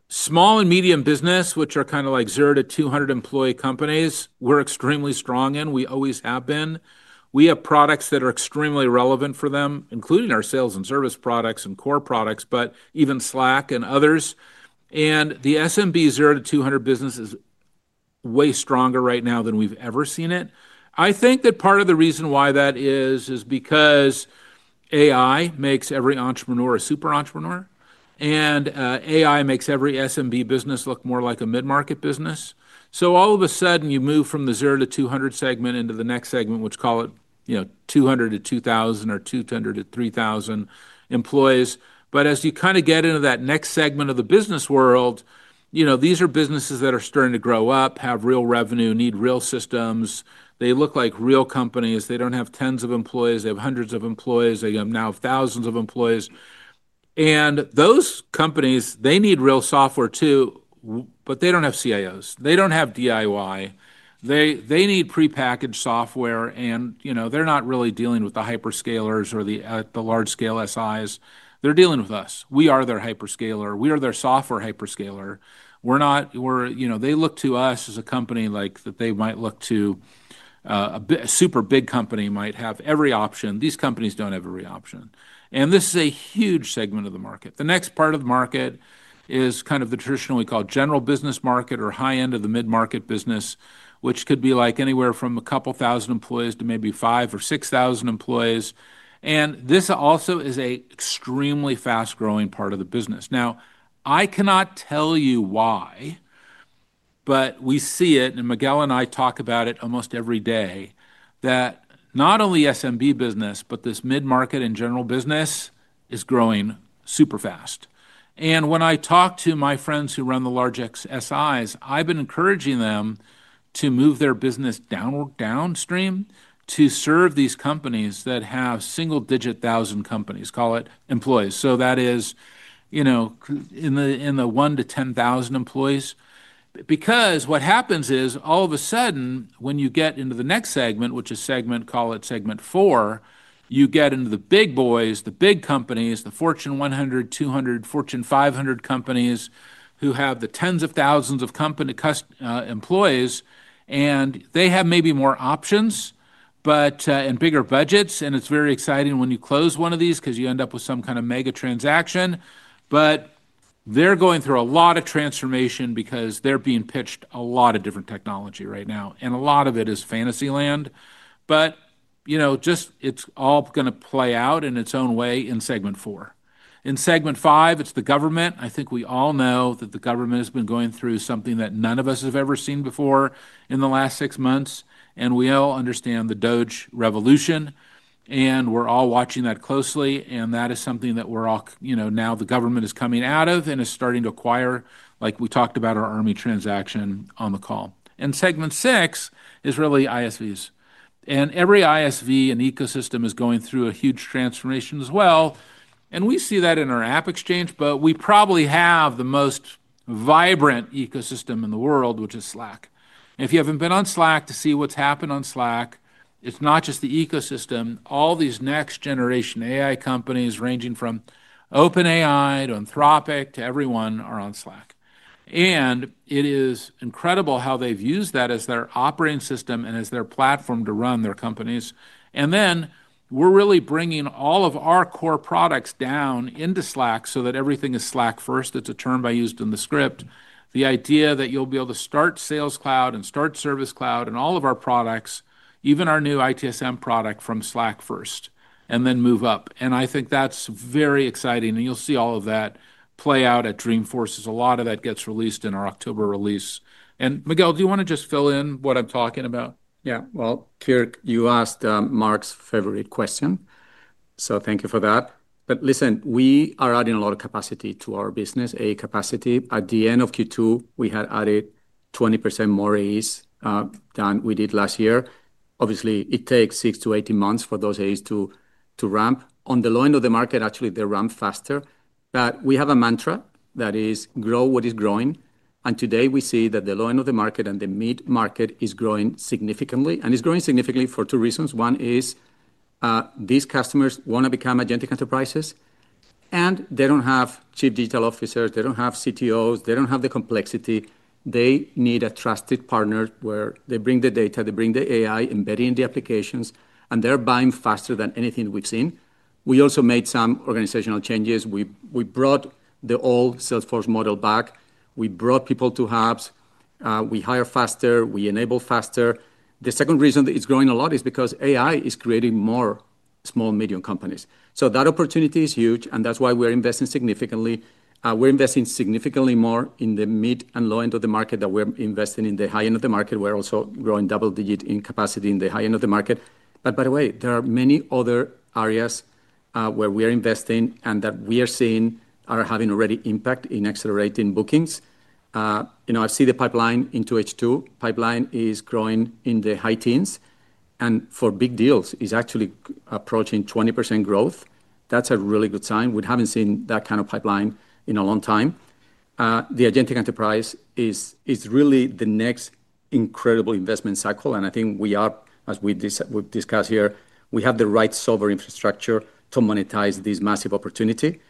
Small and medium business, which are kinda like zero to 200 employee companies, we're extremely strong in. We always have been. We have products that are extremely relevant for them, including our sales and service products and core products, but even Slack and others. And the SMB zero to 200 business is way stronger right now than we've ever seen it. I think that part of the reason why that is is because AI makes every entrepreneur a super entrepreneur, and AI makes every SMB business look more like a mid market business. So all of a sudden, you move from the zero to 200 segment into the next segment, which call it 200 to 2,000 or 200 to 3,000 employees. But as you kinda get into that next segment of the business world, you know, these are businesses that are starting to grow up, have real revenue, need real systems. They look like real companies. They don't have tens of employees. They have hundreds of employees. They have now thousands of employees. And those companies, they need real software too, but they don't have CIOs. They don't have DIY. They they need prepackaged software, and, you know, they're not really dealing with the hyperscalers or the the large scale SIs. They're dealing with We are their hyperscaler. We are their software hyperscaler. We're not we're you know, they look to us as a company like that they might look to a super big company might have every option. These companies don't have every option. And this is a huge segment of The next part of the market is kind of the traditionally called general business market or high end of the mid market business, which could be like anywhere from a couple thousand employees to maybe five or 6,000 employees. And this also is a extremely fast growing part of the business. Now I cannot tell you why, but we see it, and Miguel and I talk about it almost every day, that not only SMB business, but this mid market and general business is growing super fast. And when I talk to my friends who run the large SIs, I've been encouraging them to move their business downward downstream to serve these companies that have single digit thousand companies, call it employees. So that is in the in the one to 10,000 employees. Because what happens is all of a sudden, when you get into the next segment, which is segment, call it segment four, you get into the big boys, the big companies, the Fortune 100, 200, Fortune 500 companies who have the tens of thousands of employees, and they have maybe more options, but and bigger budgets, and it's very exciting when you close one of these because you end up with some kind of mega transaction. But they're going through a lot of transformation because they're being pitched a lot of different technology right now, and a lot of it is fantasy land. But just it's all gonna play out in its own way in segment four. In segment five, it's the government. I think we all know that the government has been going through something that none of us have ever seen before in the last six months, and we all understand the Doge revolution. And we're all watching that closely, and that is something that we're all you know, now the government is coming out of and is starting to acquire, like we talked about our army transaction on the call. And segment six is really ISVs. And every ISV and ecosystem is going through a huge transformation as well. And we see that in our AppExchange, but we probably have the most vibrant ecosystem in the world, which is Slack. And if you haven't been on Slack to see what's happened on Slack, it's not just the ecosystem. All these next generation AI companies ranging from OpenAI to Anthropic to everyone are on Slack. And it is incredible how they've used that as their operating system and as their platform to run their companies. And then we're really bringing all of our core products down into Slack so that everything is Slack first. It's a term I used in the script. The idea that you'll be able to start Sales Cloud and start Service Cloud and all of our products, even our new ITSM product from Slack first and then move up. And I think that's very exciting, and you'll see all of that play out at Dreamforce as a lot of that gets released in our October release. And Miguel, do you want to just fill in what I'm talking about? Yes. Well, Kirk, you asked Mark's favorite question. So thank you for that. But listen, we are adding a lot of capacity to our business, AE capacity. At the end of Q2, we had added 20% more AEs than we did last year. Obviously, it takes six to eighteen months for those AEs to ramp. On the low end of the market, actually, they ramp faster. But we have a mantra that is grow what is growing. And today, we see that the low end of the market and the meat market is growing significantly. And it's growing significantly for two reasons. One is these customers want to become agentic enterprises. And they don't have Chief Digital Officers. They don't have CTOs. They don't have the complexity. They need a trusted partner where they bring the data, they bring the AI, embedding the applications and they're buying faster than anything we've seen. We also made some organizational changes. We brought the old sales force model back. We brought people to hubs. We hire faster. We enable faster. The second reason that it's growing a lot is because AI is creating more small and medium companies. So that opportunity is huge and that's why we're investing significantly. We're investing significantly more in the mid and low end of the market than we're investing in the high end of the market. We're also growing double digit in capacity the high end of the market. But by the way, there are many other areas where we are investing and that we are seeing are having already impact in accelerating bookings. I see the pipeline into H2. Pipeline is growing in the high teens. And for big deals, it's actually approaching 20% growth. That's a really good sign. We haven't seen that kind of pipeline in a long time. The agentic enterprise is really the next incredible investment cycle. And I think we are as we've discussed here, we have the right software infrastructure to monetize this massive opportunity.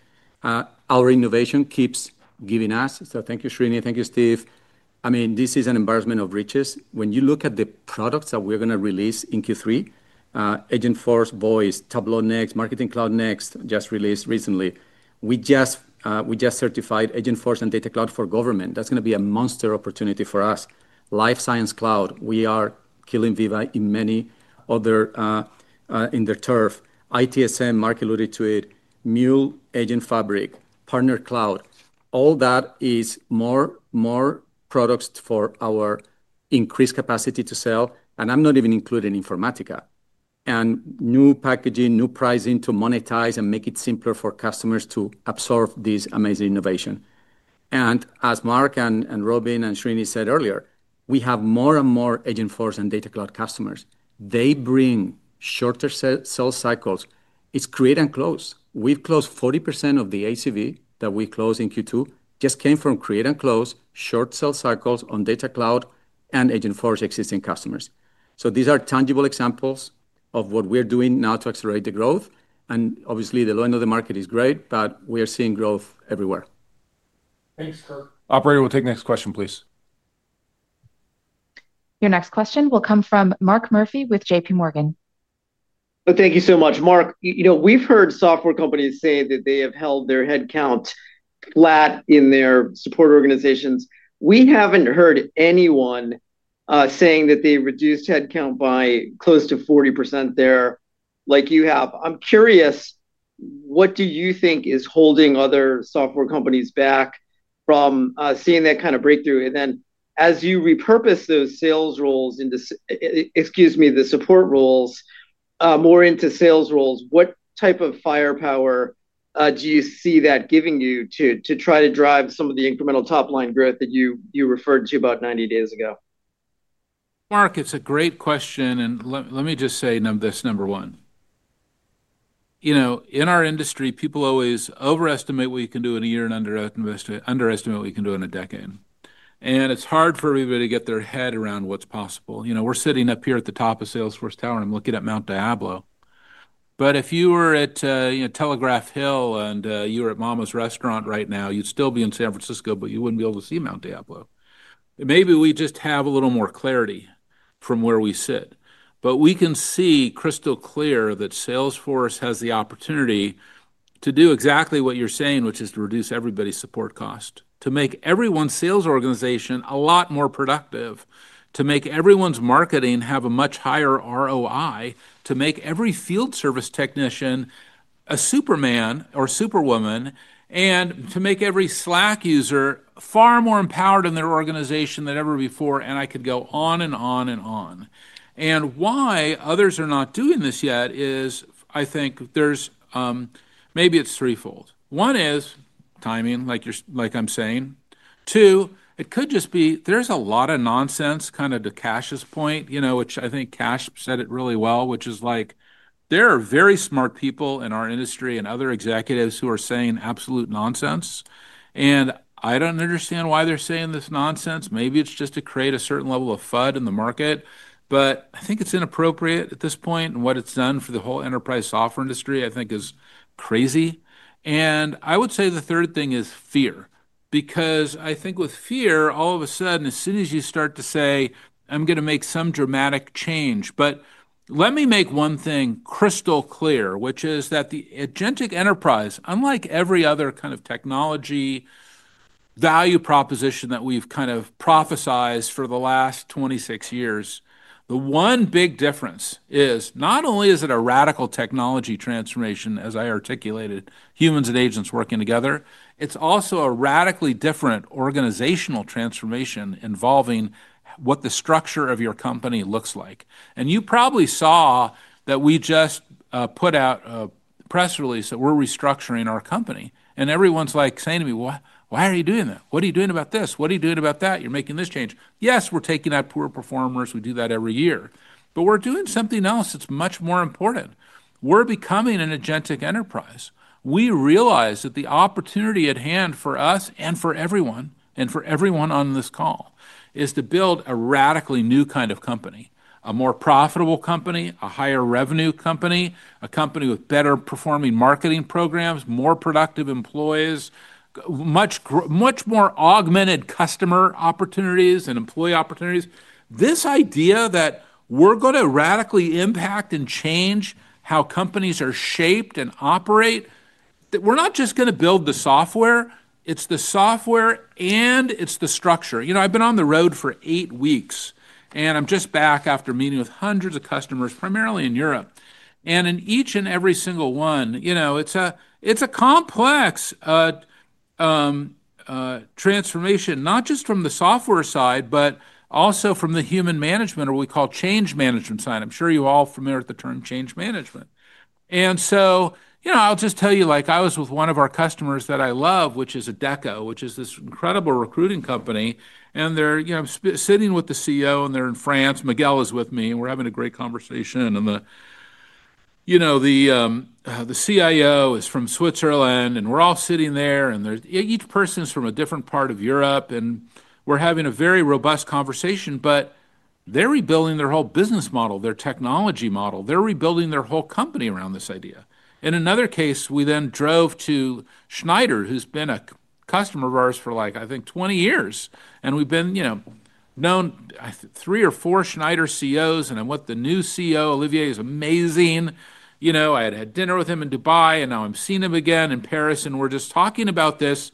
Our innovation keeps giving us so thank you, Srini. Thank you, Steve. I mean this is an embarrassment of riches. When you look at the products that we're going to release in Q3, AgentForce, Voice, Tableau Next, Marketing Cloud Next just released recently. We just certified AgentForce and Data Cloud for government. That's going to be a monster opportunity for us. Life Science Cloud, we are killing Veeva in many other in the turf. ITSM, Mark alluded to it, Mule, Agent Fabric, Partner Cloud, all that is more products for our increased capacity to sell, and I'm not even including Informatica, and new packaging, new pricing to monetize and make it simpler for customers to absorb this amazing innovation. And as Mark and Robin and Srini said earlier, we have more and more AgentForce and Data Cloud customers. They bring shorter sales cycles. It's create and close. We've closed 40% of the ACV that we closed in Q2 just came from create and close, short sales cycles on Data Cloud and agent forge existing customers. So these are tangible examples of what we're doing now to accelerate the growth. And obviously, the low end of the market is great, but we are seeing growth everywhere. Thanks, Kirk. Operator, we'll take next question, please. Your next question will come from Mark Murphy with JPMorgan. Thank you so much. Mark, you know, we've heard software companies say that they have held their headcount flat in their support organizations. We haven't heard anyone saying that they reduced headcount by close to 40 there like you have. I'm curious. What do you think is holding other software companies back from, seeing that kind of breakthrough? And then as you repurpose those sales roles into excuse me, the support roles, more into sales roles, what type of firepower, do you see that giving you to try to drive some of the incremental top line growth that you referred to about ninety days ago? Mark, it's a great question, and let me just say this, number one. In our industry, people always overestimate what we can do in a year and underestimate what we can do in a decade. And it's hard for everybody to get their head around what's possible. You know, we're sitting up here at the top of Salesforce Tower and looking at Mount Diablo. But if you were at, you know, Telegraph Hill and you're at mama's restaurant right now, you'd still be in San Francisco, but you wouldn't be able to see Mount Diablo. Maybe we just have a little more clarity from where we sit. But we can see crystal clear that Salesforce has the opportunity to do exactly what you're saying, which is to reduce everybody's support cost, to make everyone's sales organization a lot more productive, to make everyone's marketing have a much higher ROI, to make every field service technician a superman or superwoman, and to make every Slack user far more empowered in their organization than ever before, and I could go on and on and on. And why others are not doing this yet is I think there's maybe it's threefold. One is timing, like I'm saying. Two, it could just be there's a lot of nonsense kind of to Cash's point, you know, which I think Cash said it really well, which is like, there are very smart people in our industry and other executives who are saying absolute nonsense. And I don't understand why they're saying this nonsense. Maybe it's just to create a certain level of FUD in the market, but I think it's inappropriate at this point. And what it's done for the whole enterprise software industry, I think, is crazy. And I would say the third thing is fear. Because I think with fear, all of a sudden, as soon as you start to say, I'm gonna make some dramatic change. But let me make one thing crystal clear, which is that the agentic enterprise, unlike every other kind of technology value proposition that we've kind of prophesized for the last twenty six years, the one big difference is not only is it a radical technology transformation as I articulated, humans and agents working together, it's also a radically different organizational transformation involving what the structure of your company looks like. And you probably saw that we just put out a press release that we're restructuring our company. And everyone's like saying to me, why are you doing that? What are you doing about this? What are you doing about that? You're making this change. Yes, we're taking out poor performers, we do that every year. But we're doing something else that's much more important. We're becoming an agentic enterprise. We realize that the opportunity at hand for us and for everyone and for everyone on this call is to build a radically new kind of company, a more profitable company, a higher revenue company, a company with better performing marketing programs, more productive employees, much more augmented customer opportunities and employee opportunities. This idea that we're going to radically impact and change how companies are shaped and operate, we're not just gonna build the software. It's the software and it's the structure. You know, I've been on the road for eight weeks, and I'm just back after meeting with hundreds of customers primarily in Europe. And in each and every single one, it's a complex transformation, not just from the software side, but also from the human management or what we call change management side. I'm sure you're all familiar with the term change management. And so I'll just tell you, like, I was with one of our customers that I love, which is Adecco, which is this incredible recruiting company. And they're sitting with the CEO, and they're in France. Miguel is with me, and we're having a great conversation. The CIO is from Switzerland, and we're all sitting there. Each person's from a different part of Europe, and we're having a very robust conversation. But they're rebuilding their whole business model, their technology model. They're rebuilding their whole company around this idea. In another case, we then drove to Schneider, who's been a customer of ours for like, I think, twenty years. And we've been known three or four Schneider CEOs, and I'm with the new CEO. Olivier is amazing. You know, I had dinner with him in Dubai, and now I'm seeing him again in Paris, and we're just talking about this.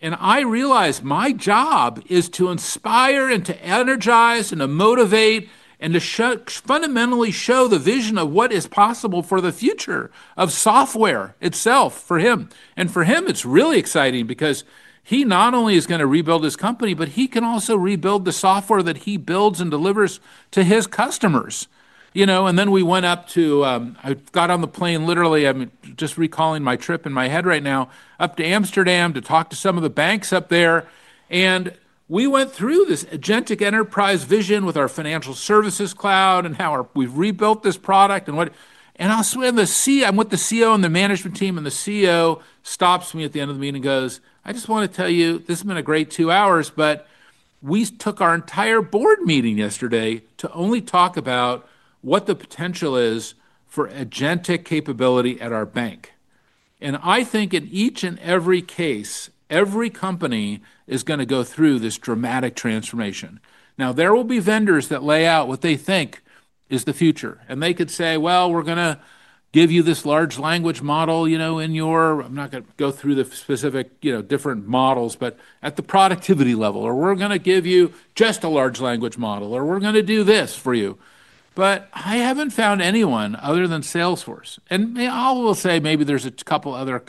And I realized my job is to inspire and to energize and to motivate and to fundamentally show the vision of what is possible for the future of software itself for him. And for him, it's really exciting because he not only is gonna rebuild his company, but he can also rebuild the software that he builds and delivers to his customers. You know? And then we went up to I've got on the plane literally. I'm just recalling my trip in my head right now, up to Amsterdam to talk to some of the banks up there. And we went through this agentic enterprise vision with our financial services cloud and how our we've rebuilt this product and what and also when the c I'm with the CEO and the management team, and the CEO stops me at the end of the meeting and goes, I just wanna tell you, this has been a great two hours, but we took our entire board meeting yesterday to only talk about what the potential is for agentic capability at our bank. And I think in each and every case, every company is going to go through this dramatic transformation. Now there will be vendors that lay out what they think is the future. And they could say, well, we're going to give you this large language model in your I'm not going to go through the specific different models, but at the productivity level. Or we're gonna give you just a large language model, or we're gonna do this for you. But I haven't found anyone other than Salesforce. And they all will say maybe there's a couple other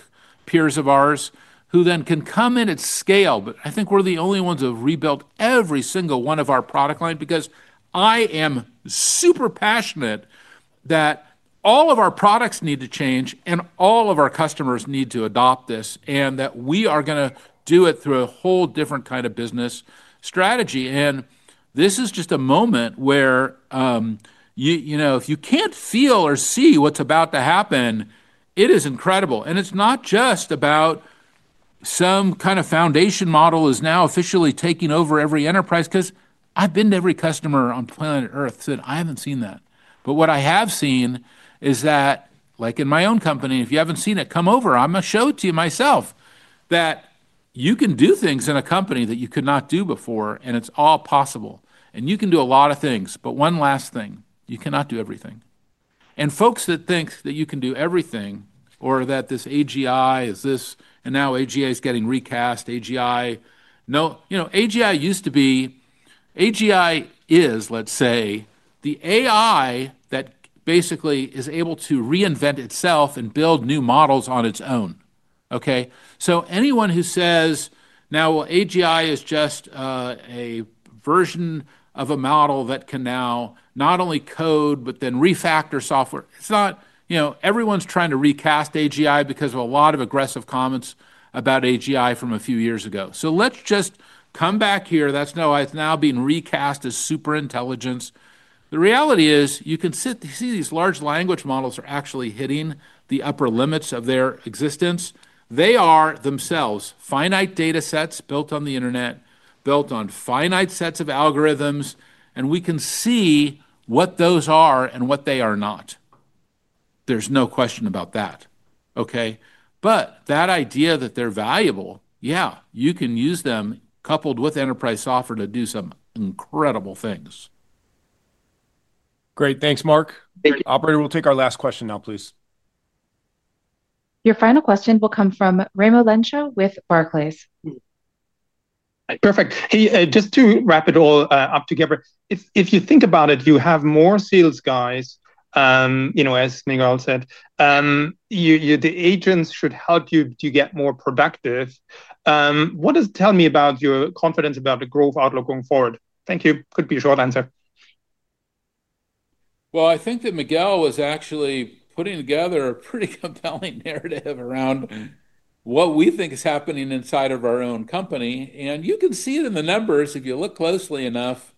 peers of ours who then can come in at scale. But I think we're the only ones who have rebuilt every single one of our product line because I am super passionate that all of our products need to change and all of our customers need to adopt this and that we are going to do it through a whole different kind of business strategy. And this is just a moment where if you can't feel or see what's about to happen, it is incredible. And it's not just about some kind of foundation model is now officially taking over every enterprise because I've been to every customer on planet Earth, said, I haven't seen that. But what I have seen is that, like in my own company, if you haven't seen it, come over. I'm going show it to you myself that you can do things in a company that you could not do before, and it's all possible. And you can do a lot of things. But one last thing, you cannot do everything. And folks that think that you can do everything or that this AGI is this and now AGI is getting recast, AGI no. AGI used to be AGI is, let's say, the AI that basically is able to reinvent itself and build new models on its own. Okay? So anyone who says, now, AGI is just a version of a model that can now not only code but then refactor software. It's not you know, everyone's trying to recast AGI because of a lot of aggressive comments about AGI from a few years ago. So let's just come back here. That's now being recast as superintelligence. The reality is you can see these large language models are actually hitting the upper limits of their existence. They are themselves finite data sets built on the Internet, built on finite sets of algorithms, and we can see what those are and what they are not. There's no question about that. Okay? But that idea that they're valuable, yeah, you can use them coupled with enterprise software to do some incredible things. Great. Thanks, Mark. Thank you. Operator, we'll take our last question now, please. Your final question will come from Raimo Lenschow with Barclays. Perfect. Hey. Just to wrap it all, up together. If if you think about it, you have more sales guys, you know, as Miguel said. You you the agents should help you to get more productive. What does it tell me about your confidence about the growth outlook going forward? Thank you. Could be a short answer. Well, I think that Miguel was actually putting together a pretty compelling narrative around what we think is happening inside of our own company. And you can see it in the numbers if you look closely enough.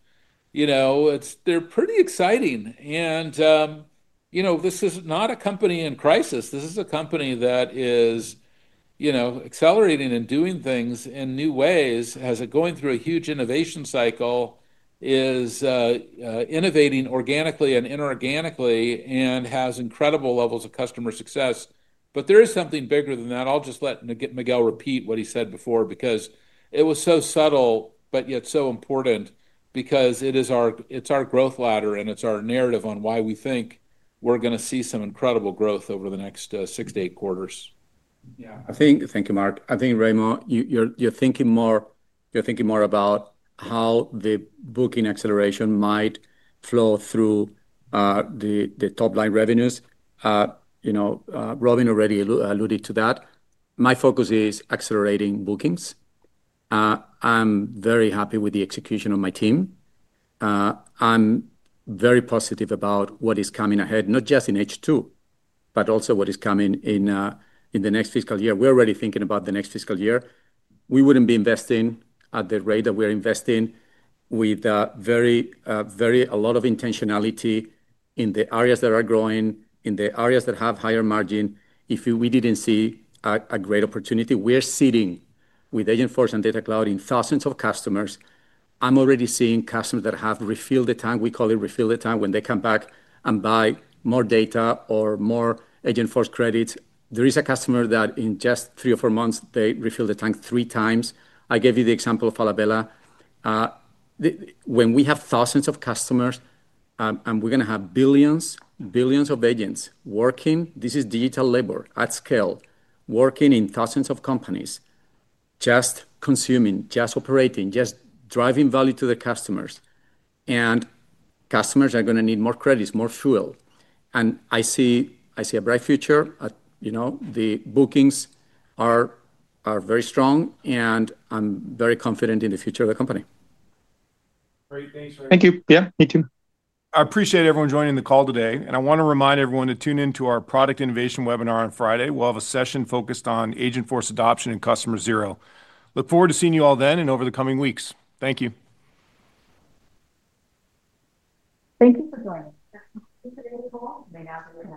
You know, it's they're pretty exciting. And, you know, this is not a company in crisis. This is a company that is, you know, accelerating and doing things in new ways, has it going through a huge innovation cycle, is innovating organically and inorganically, and has incredible levels of customer success. But there is something bigger than that. I'll just let Miguel repeat what he said before because it was so subtle, but yet so important because it is our it's our growth ladder, and it's our narrative on why we think we're gonna see some incredible growth over the next six to eight quarters. Yeah. I think thank you, Mark. I think, Raimo, you're you're more thinking more about how the booking acceleration might flow through the top line revenues. Robin already alluded to that. My focus is accelerating bookings. I'm very happy with the execution of my team. I'm very positive about what is coming ahead, not just in H2, but also what is coming in the next fiscal year. We're already thinking about the next fiscal year. We wouldn't be investing at the rate that we're investing with very a lot of intentionality in the areas that are growing, in the areas that have higher margin if we didn't see a great opportunity. We are seeding with AgentForce and Data Cloud in thousands of customers. I'm already seeing customers that have refilled the tank. We call it refill the tank when they come back and buy more data or more AgentForce credits. There is a customer that in just three or four months, they refilled the tank three times. I gave you the example of Falabella. When we have thousands of customers, and we're going to have billions, billions of agents working, this is digital labor at scale, working in thousands of companies, just consuming, just operating, just driving value to the customers. And customers are going to need more credits, more fuel. And I see a bright future. The bookings are very strong, and I'm very confident in the future of the company. Great. Thanks, Rick. Thank you. Yes, me too. I appreciate everyone joining the call today. And I want to remind everyone to tune in to our product innovation webinar on Friday. We'll have a session focused on agent force adoption and customer zero. Look forward to seeing you all then and over the coming weeks. Thank you. Thank you for joining. You may now disconnect.